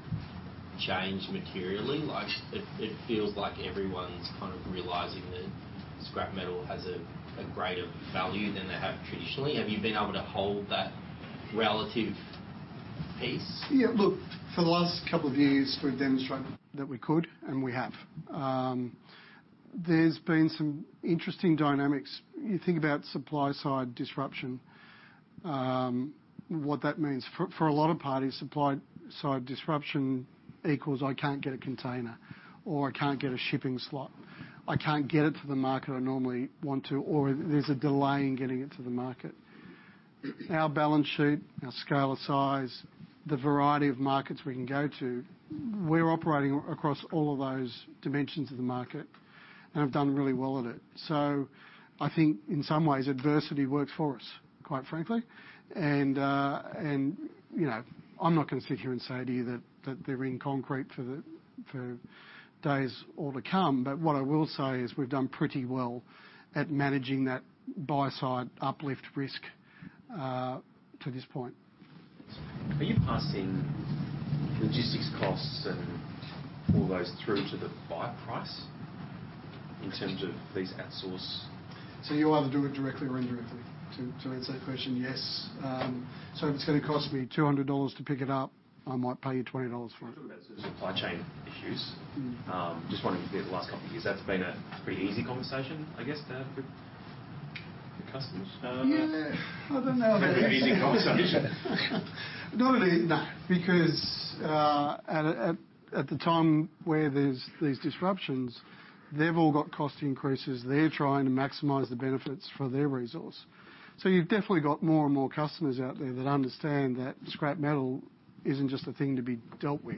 changed materially? Like, it feels like everyone's kind of realizing that scrap metal has a greater value than they have traditionally. Have you been able to hold that relative pace? Yeah. Look, for the last couple of years, we've demonstrated that we could, and we have. There's been some interesting dynamics. You think about supply side disruption, what that means. For a lot of parties, supply side disruption equals I can't get a container, or I can't get a shipping slot. I can't get it to the market I normally want to, or there's a delay in getting it to the market. Our balance sheet, our scale of size, the variety of markets we can go to, we're operating across all of those dimensions of the market and have done really well at it. I think in some ways, adversity worked for us, quite frankly. You know, I'm not gonna sit here and say to you that they're in concrete for the days all to come. What I will say is we've done pretty well at managing that buy-side uplift risk, to this point. Are you passing logistics costs and all those through to the buy price in terms of these at-source? You either do it directly or indirectly. To answer your question, yes. If it's gonna cost me $200 to pick it up, I might pay you $20 for it. Talk about the supply chain issues. Mm. Just wondering if the last couple of years that's been a pretty easy conversation, I guess, to have with the customers? Yeah. I don't know. An easy conversation. Not really, no. Because at the time where there's these disruptions, they've all got cost increases. They're trying to maximize the benefits for their resource. You've definitely got more and more customers out there that understand that scrap metal isn't just a thing to be dealt with.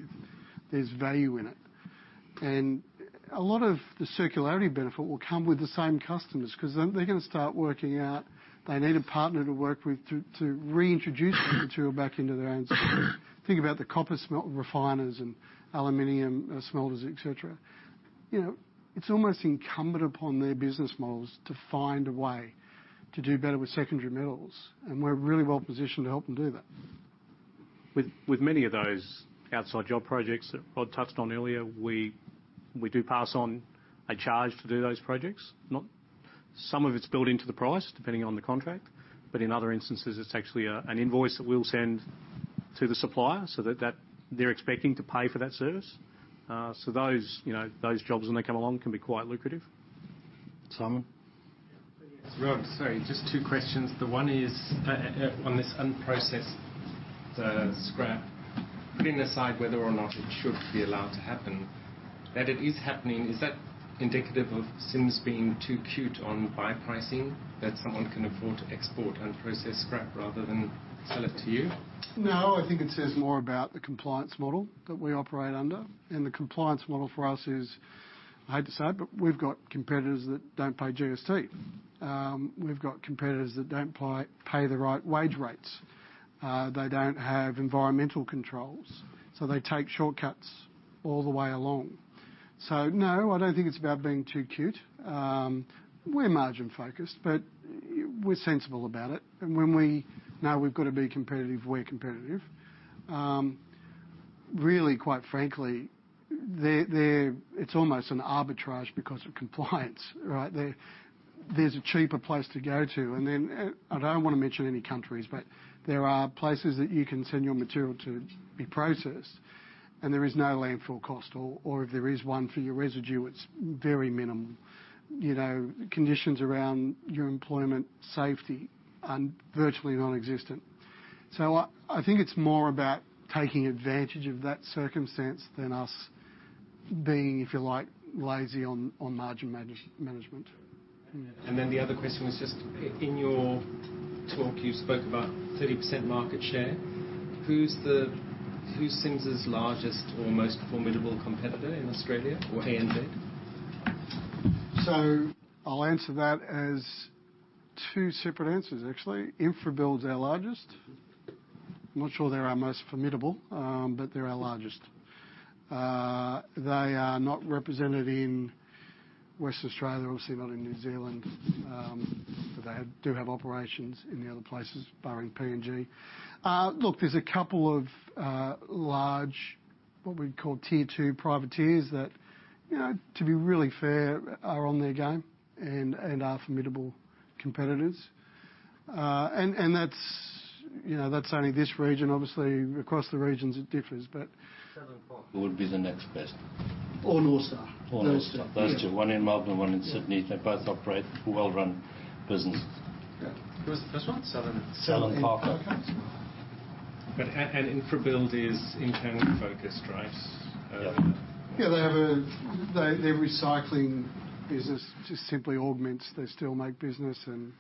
There's value in it. A lot of the circularity benefit will come with the same customers 'cause then they're gonna start working out they need a partner to work with to reintroduce that material back into their own systems. Think about the copper smelt-refiners and aluminum smelters, et cetera. You know, it's almost incumbent upon their business models to find a way to do better with secondary metals, and we're really well positioned to help them do that. With many of those outside job projects that Rod touched on earlier, we do pass on a charge to do those projects. Some of it's built into the price, depending on the contract, but in other instances, it's actually an invoice that we'll send to the supplier so that they're expecting to pay for that service. Those, you know, those jobs, when they come along, can be quite lucrative. Simon? Yes, Rod, sorry, just two questions. The one is on this unprocessed scrap. Putting aside whether or not it should be allowed to happen, that it is happening, is that indicative of Sims being too cute on buy pricing, that someone can afford to export unprocessed scrap rather than sell it to you? I think it says more about the compliance model that we operate under. The compliance model for us is, I hate to say it, but we've got competitors that don't pay GST. We've got competitors that don't pay the right wage rates. They don't have environmental controls, so they take shortcuts all the way along. No, I don't think it's about being too cute. We're margin-focused, but we're sensible about it. When we know we've got to be competitive, we're competitive. Really, quite frankly, it's almost an arbitrage because of compliance, right? There's a cheaper place to go to. I don't wanna mention any countries, but there are places that you can send your material to be processed, and there is no landfill cost. If there is one for your residue, it's very minimal. You know, conditions around your employment safety are virtually nonexistent. I think it's more about taking advantage of that circumstance than us being, if you like, lazy on margin management. The other question was just, in your talk, you spoke about 30% market share. Who's Sims' largest or most formidable competitor in Australia or ANZ? I'll answer that as two separate answers, actually. InfraBuild's our largest. I'm not sure they're our most formidable, but they're our largest. They are not represented in West Australia, obviously not in New Zealand. They do have operations in the other places, barring PNG. Look, there's a couple of large, what we'd call tier 2 privateers that, you know, to be really fair are on their game and are formidable competitors. That's, you know, that's only this region. Obviously, across the regions it differs, but Southern Cross would be the next best. North Star. North Star. Those two. Those 2. 1 in Melbourne, 1 in Sydney. They both operate well-run businesses. Yeah. Who was the first one? Southern. Southern Cross. Okay. InfraBuild is internally-focused, right? Yeah. Yeah, they have their recycling business just simply augments their steel make business, and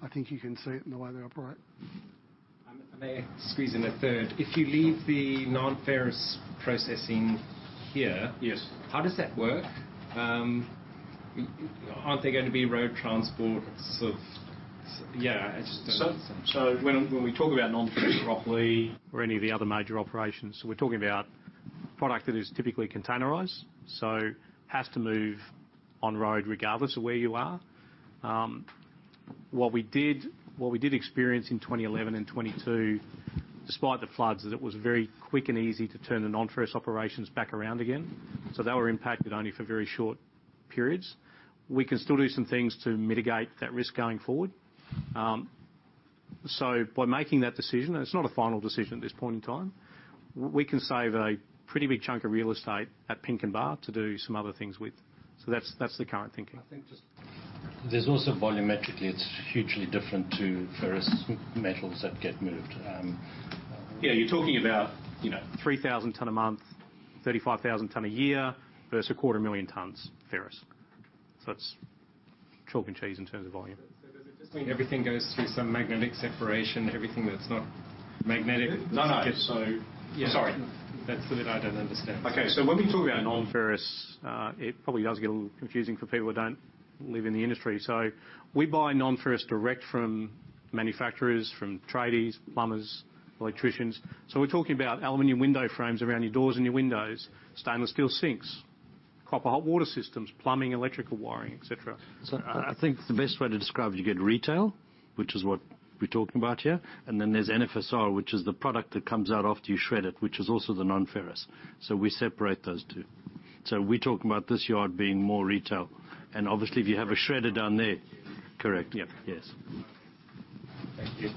I think you can see it in the way they operate. May I squeeze in a third? Sure. If you leave the non-ferrous processing here- Yes How does that work? Aren't there going to be road transport sort of. Yeah, I just don't understand. When we talk about non-ferrous at Rocklea or any of the other major operations, we're talking about product that is typically containerized, so has to move on road regardless of where you are. What we did experience in 2011 and 2022, despite the floods, is it was very quick and easy to turn the non-ferrous operations back around again. They were impacted only for very short periods. We can still do some things to mitigate that risk going forward. By making that decision, it's not a final decision at this point in time, we can save a pretty big chunk of real estate at Pinkenba to do some other things with. That's the current thinking. I think just. There's also volumetrically, it's hugely different to ferrous metals that get moved. Yeah, you're talking about, you know, 3,000 tons a month, 35,000 tons a year versus 250,000 tons ferrous. That's chalk and cheese in terms of volume. Does it just mean everything goes through some magnetic separation, everything that's not magnetic? No, no.. gets Sorry. That's the bit I don't understand. Okay. When we talk about non-ferrous, it probably does get a little confusing for people who don't live in the industry. We buy non-ferrous direct from manufacturers, from tradies, plumbers, electricians. We're talking about aluminum window frames around your doors and your windows, stainless steel sinks, copper hot water systems, plumbing, electrical wiring, et cetera. I think the best way to describe it, you get retail, which is what we're talking about here, and then there's NFSR, which is the product that comes out after you shred it, which is also the non-ferrous. We separate those two. We talk about this yard being more retail, and obviously if you have a shredder down there, correct. Yep. Yes. Thank you.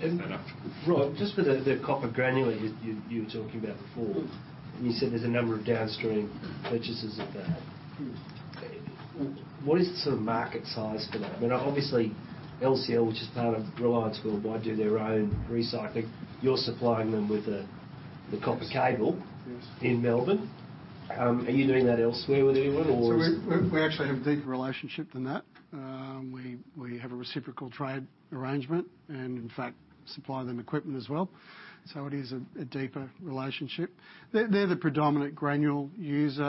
Thank you very much. Rod, just with the copper granules you were talking about before, you said there's a number of downstream purchasers of that. What is the sort of market size for that? I mean, obviously LCL, which is part of Reliance World, might do their own recycling. You're supplying them with the copper cable- Yes -in Melbourne. Are you doing that elsewhere with anyone or? We actually have a deeper relationship than that. We have a reciprocal trade arrangement and in fact supply them equipment as well. It is a deeper relationship. They're the predominant granule user.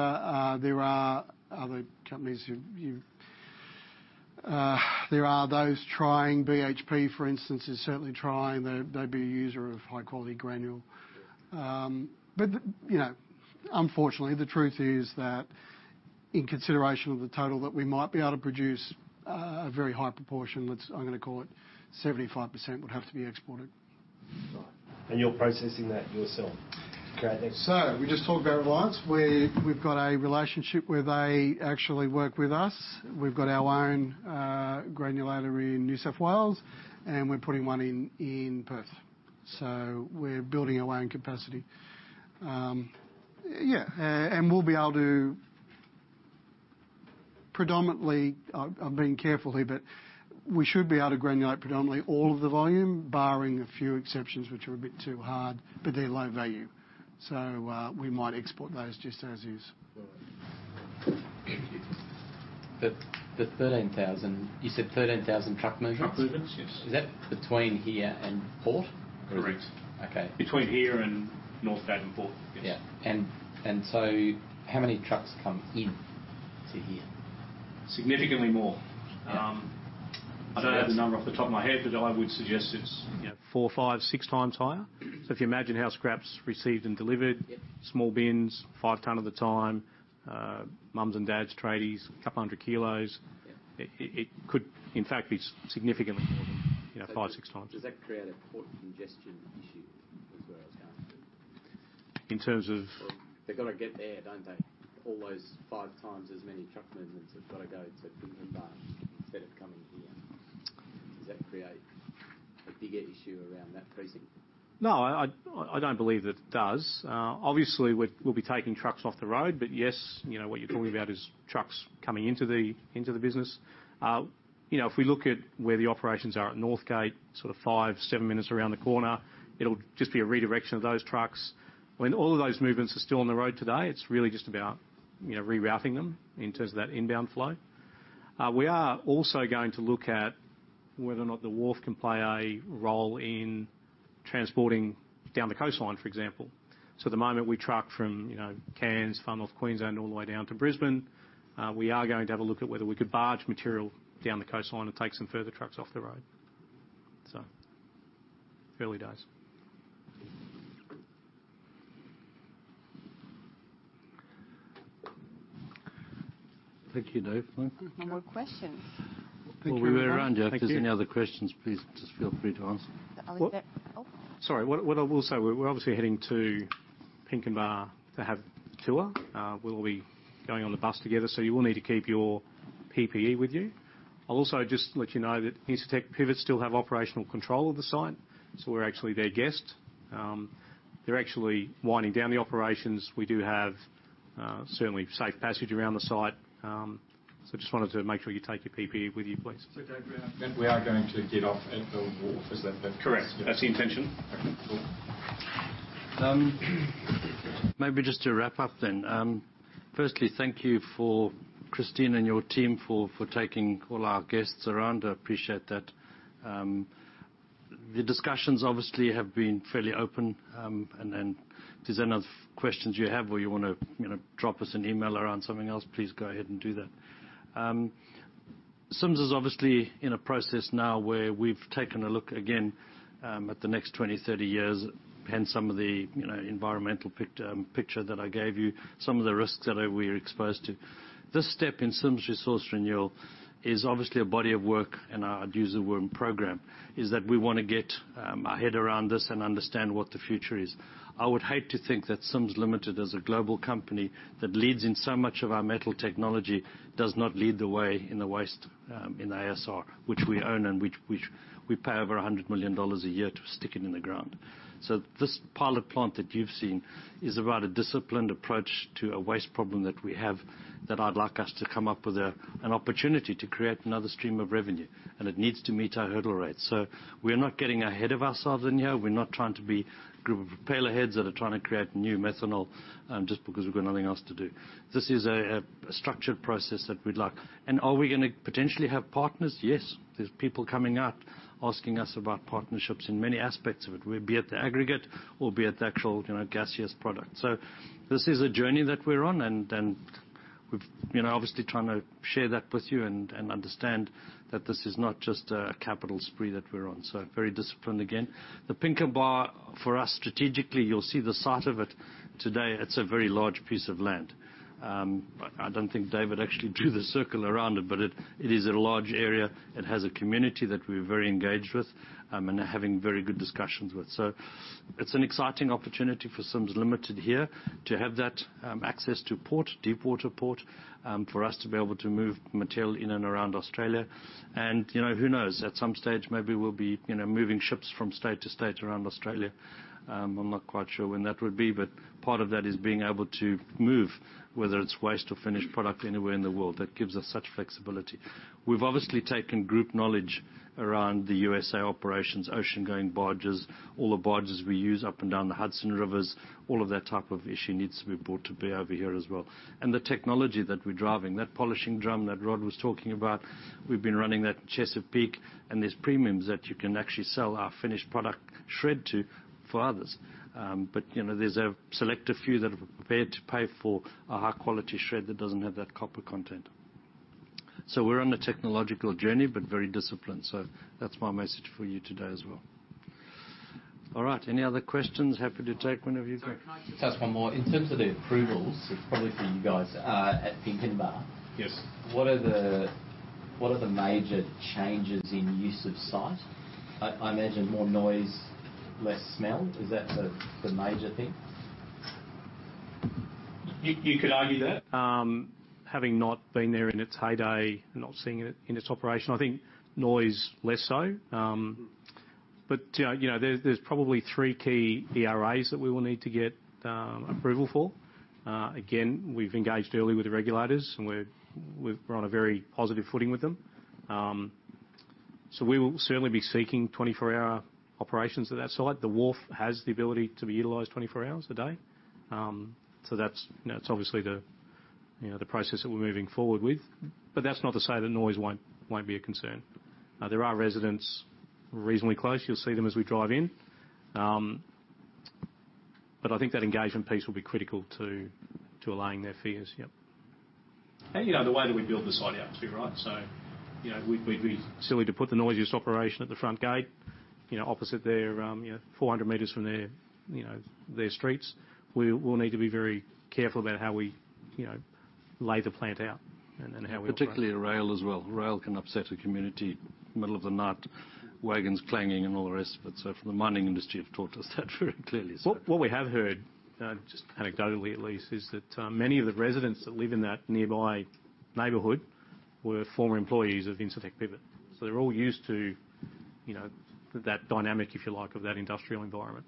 There are other companies. There are those trying. BHP, for instance, is certainly trying. They'd be a user of high-quality granule. You know, unfortunately the truth is that in consideration of the total that we might be able to produce, a very high proportion, I'm gonna call it 75%, would have to be exported. Right. You're processing that yourself. Okay, thanks. We just talked about Reliance, where we've got a relationship where they actually work with us. We've got our own granulator in New South Wales, and we're putting one in in Perth. We're building our own capacity. Yeah, and we'll be able to predominantly. I'm being careful here, but we should be able to granulate predominantly all of the volume, barring a few exceptions which are a bit too hard, but they're low value. We might export those just as is. All right. The 13,000. You said 13,000 truck movements? Truck movements, yes. Is that between here and port? Correct. Okay. Between here and Northgate and port. Yes. Yeah. How many trucks come in to here? Significantly more. Yeah. I don't have the number off the top of my head, but I would suggest it's, you know, four, five, six times higher. If you imagine how scrap's received and delivered. Yeah. Small bins, 5 tons at a time, moms and dads, tradies, a couple 100 kg. Yeah. It could in fact be significantly more than, you know, five, six times. Does that create a port congestion issue is where I was going with this? In terms of? Well, they've gotta get there, don't they? All those five times as many truck movements have gotta go to Pinkenba instead of coming here. Does that create a bigger issue around that precinct? No, I don't believe that it does. Obviously, we'll be taking trucks off the road. Yes, you know, what you're talking about is trucks coming into the business. You know, if we look at where the operations are at Northgate, sort of five, seven minutes around the corner, it'll just be a redirection of those trucks. All of those movements are still on the road today, it's really just about, you know, rerouting them in terms of that inbound flow. We are also going to look at whether or not the wharf can play a role in transporting down the coastline, for example. At the moment, we truck from, you know, Cairns, Far North Queensland, all the way down to Brisbane. We are going to have a look at whether we could barge material down the coastline and take some further trucks off the road. Early days. Thank you, Dave. No more questions. We'll be around, Jeff. Thank you. If there's any other questions, please just feel free to ask. Are there? Oh. Sorry. What I will say, we're obviously heading to Pinkenba to have a tour. We'll be going on the bus together, so you will need to keep your PPE with you. I'll also just let you know that Incitec Pivot still have operational control of the site, so we're actually their guest. They're actually winding down the operations. We do have, certainly safe passage around the site. Just wanted to make sure you take your PPE with you, please. Dave, we are going to get off at the wharf. Is that. Correct. That's the intention. Okay, cool. Maybe just to wrap up. Firstly, thank you for Christine and your team for taking all our guests around. I appreciate that. The discussions obviously have been fairly open, and if there's any other questions you have or you wanna, you know, drop us an email around something else, please go ahead and do that. Sims is obviously in a process now where we've taken a look again at the next 20, 30 years and some of the, you know, environmental picture that I gave you, some of the risks that we're exposed to. This step in Sims Resource Renewal is obviously a body of work, and I'd use the word program, is that we wanna get our head around this and understand what the future is. I would hate to think that Sims Limited, as a global company that leads in so much of our metal technology, does not lead the way in the waste, in ASR, which we own and which we pay over 100 million dollars a year to stick it in the ground. This pilot plant that you've seen is about a disciplined approach to a waste problem that we have that I'd like us to come up with an opportunity to create another stream of revenue, and it needs to meet our hurdle rates. We're not getting ahead of ourselves in here. We're not trying to be group of pale heads that are trying to create new methanol just because we've got nothing else to do. This is a structured process that we'd like. Are we gonna potentially have partners? Yes. There's people coming up asking us about partnerships in many aspects of it, be it the aggregate or be it the actual, you know, gaseous product. This is a journey that we're on and we obviously trying to share that with you and understand that this is not just a capital spree that we're on. Very disciplined again. The Pinkenba for us strategically, you'll see the site of it today. It's a very large piece of land. I don't think Dave would actually do the circle around it, but it is a large area. It has a community that we're very engaged with, and are having very good discussions with. It's an exciting opportunity for Sims Limited here to have that access to port, deep water port, for us to be able to move material in and around Australia. You know, who knows? At some stage, maybe we'll be, you know, moving ships from state to state around Australia. I'm not quite sure when that would be, part of that is being able to move, whether it's waste or finished product, anywhere in the world. That gives us such flexibility. We've obviously taken group knowledge around the U.S.A. operations, ocean-going barges, all the barges we use up and down the Hudson Rivers, all of that type of issue needs to be brought to bear over here as well. The technology that we're driving, that polishing drum that Rod was talking about, we've been running that Chesapeake, and there's premiums that you can actually sell our finished product shred to for others. You know, there's a selective few that are prepared to pay for a high quality shred that doesn't have that copper content. We're on a technological journey, but very disciplined. That's my message for you today as well. All right. Any other questions? Happy to take. Sorry. Can I just ask one more? In terms of the approvals, it's probably for you guys at Pinkenba. Yes. What are the major changes in use of site? I imagine more noise, less smell. Is that the major thing? You could argue that. Having not been there in its heyday and not seeing it in its operation, I think noise less so. You know, there's probably three key ERAs that we will need to get approval for. Again, we've engaged early with the regulators, and we're on a very positive footing with them. We will certainly be seeking 24-hour operations at that site. The wharf has the ability to be utilized 24 hours a day. That's, you know, it's obviously the, you know, the process that we're moving forward with. That's not to say that noise won't be a concern. There are residents reasonably close. You'll see them as we drive in. I think that engagement piece will be critical to allaying their fears. Yeah. you know, the way that we build the site up too, right? You know, we'd be silly to put the noisiest operation at the front gate, you know, opposite their, you know, 400 meters from their, you know, their streets. We will need to be very careful about how we, you know, lay the plant out and then how we operate. Particularly the rail as well. Rail can upset a community. Middle of the night, wagons clanging and all the rest of it. From the mining industry have taught us that very clearly so. What we have heard, just anecdotally at least, is that many of the residents that live in that nearby neighborhood were former employees of Incitec Pivot. They're all used to, you know, that dynamic, if you like, of that industrial environment.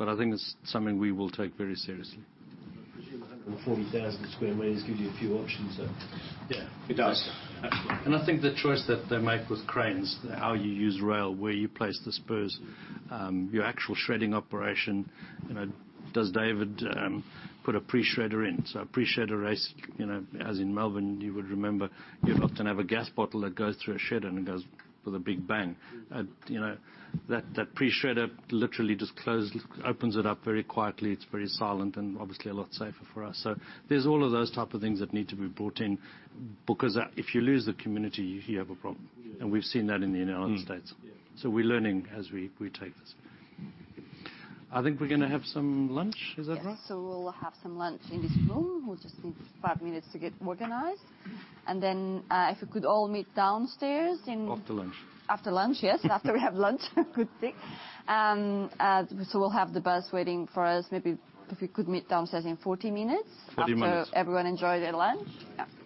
I think it's something we will take very seriously. I presume 140,000 square meters gives you a few options, so. Yeah. It does. Absolutely. I think the choice that they make with cranes, how you use rail, where you place the spurs, your actual shredding operation, you know, does David put a pre-shredder in? A pre-shredder race, you know, as in Melbourne, you would remember, you often have a gas bottle that goes through a shed, and it goes with a big bang. You know, that pre-shredder literally just opens it up very quietly. It's very silent and obviously a lot safer for us. There's all of those type of things that need to be brought in because if you lose the community, you have a problem. We've seen that in the United States. Mm. Yeah. We're learning as we take this. I think we're gonna have some lunch. Is that right? Yes. We'll have some lunch in this room. We'll just need five minutes to get organized. If you could all meet downstairs. After lunch. After lunch, yes. After we have lunch. Good think. We'll have the bus waiting for us. Maybe if we could meet downstairs in 40 minutes. 40 minutes. After everyone enjoyed their lunch. Yeah. Thanks.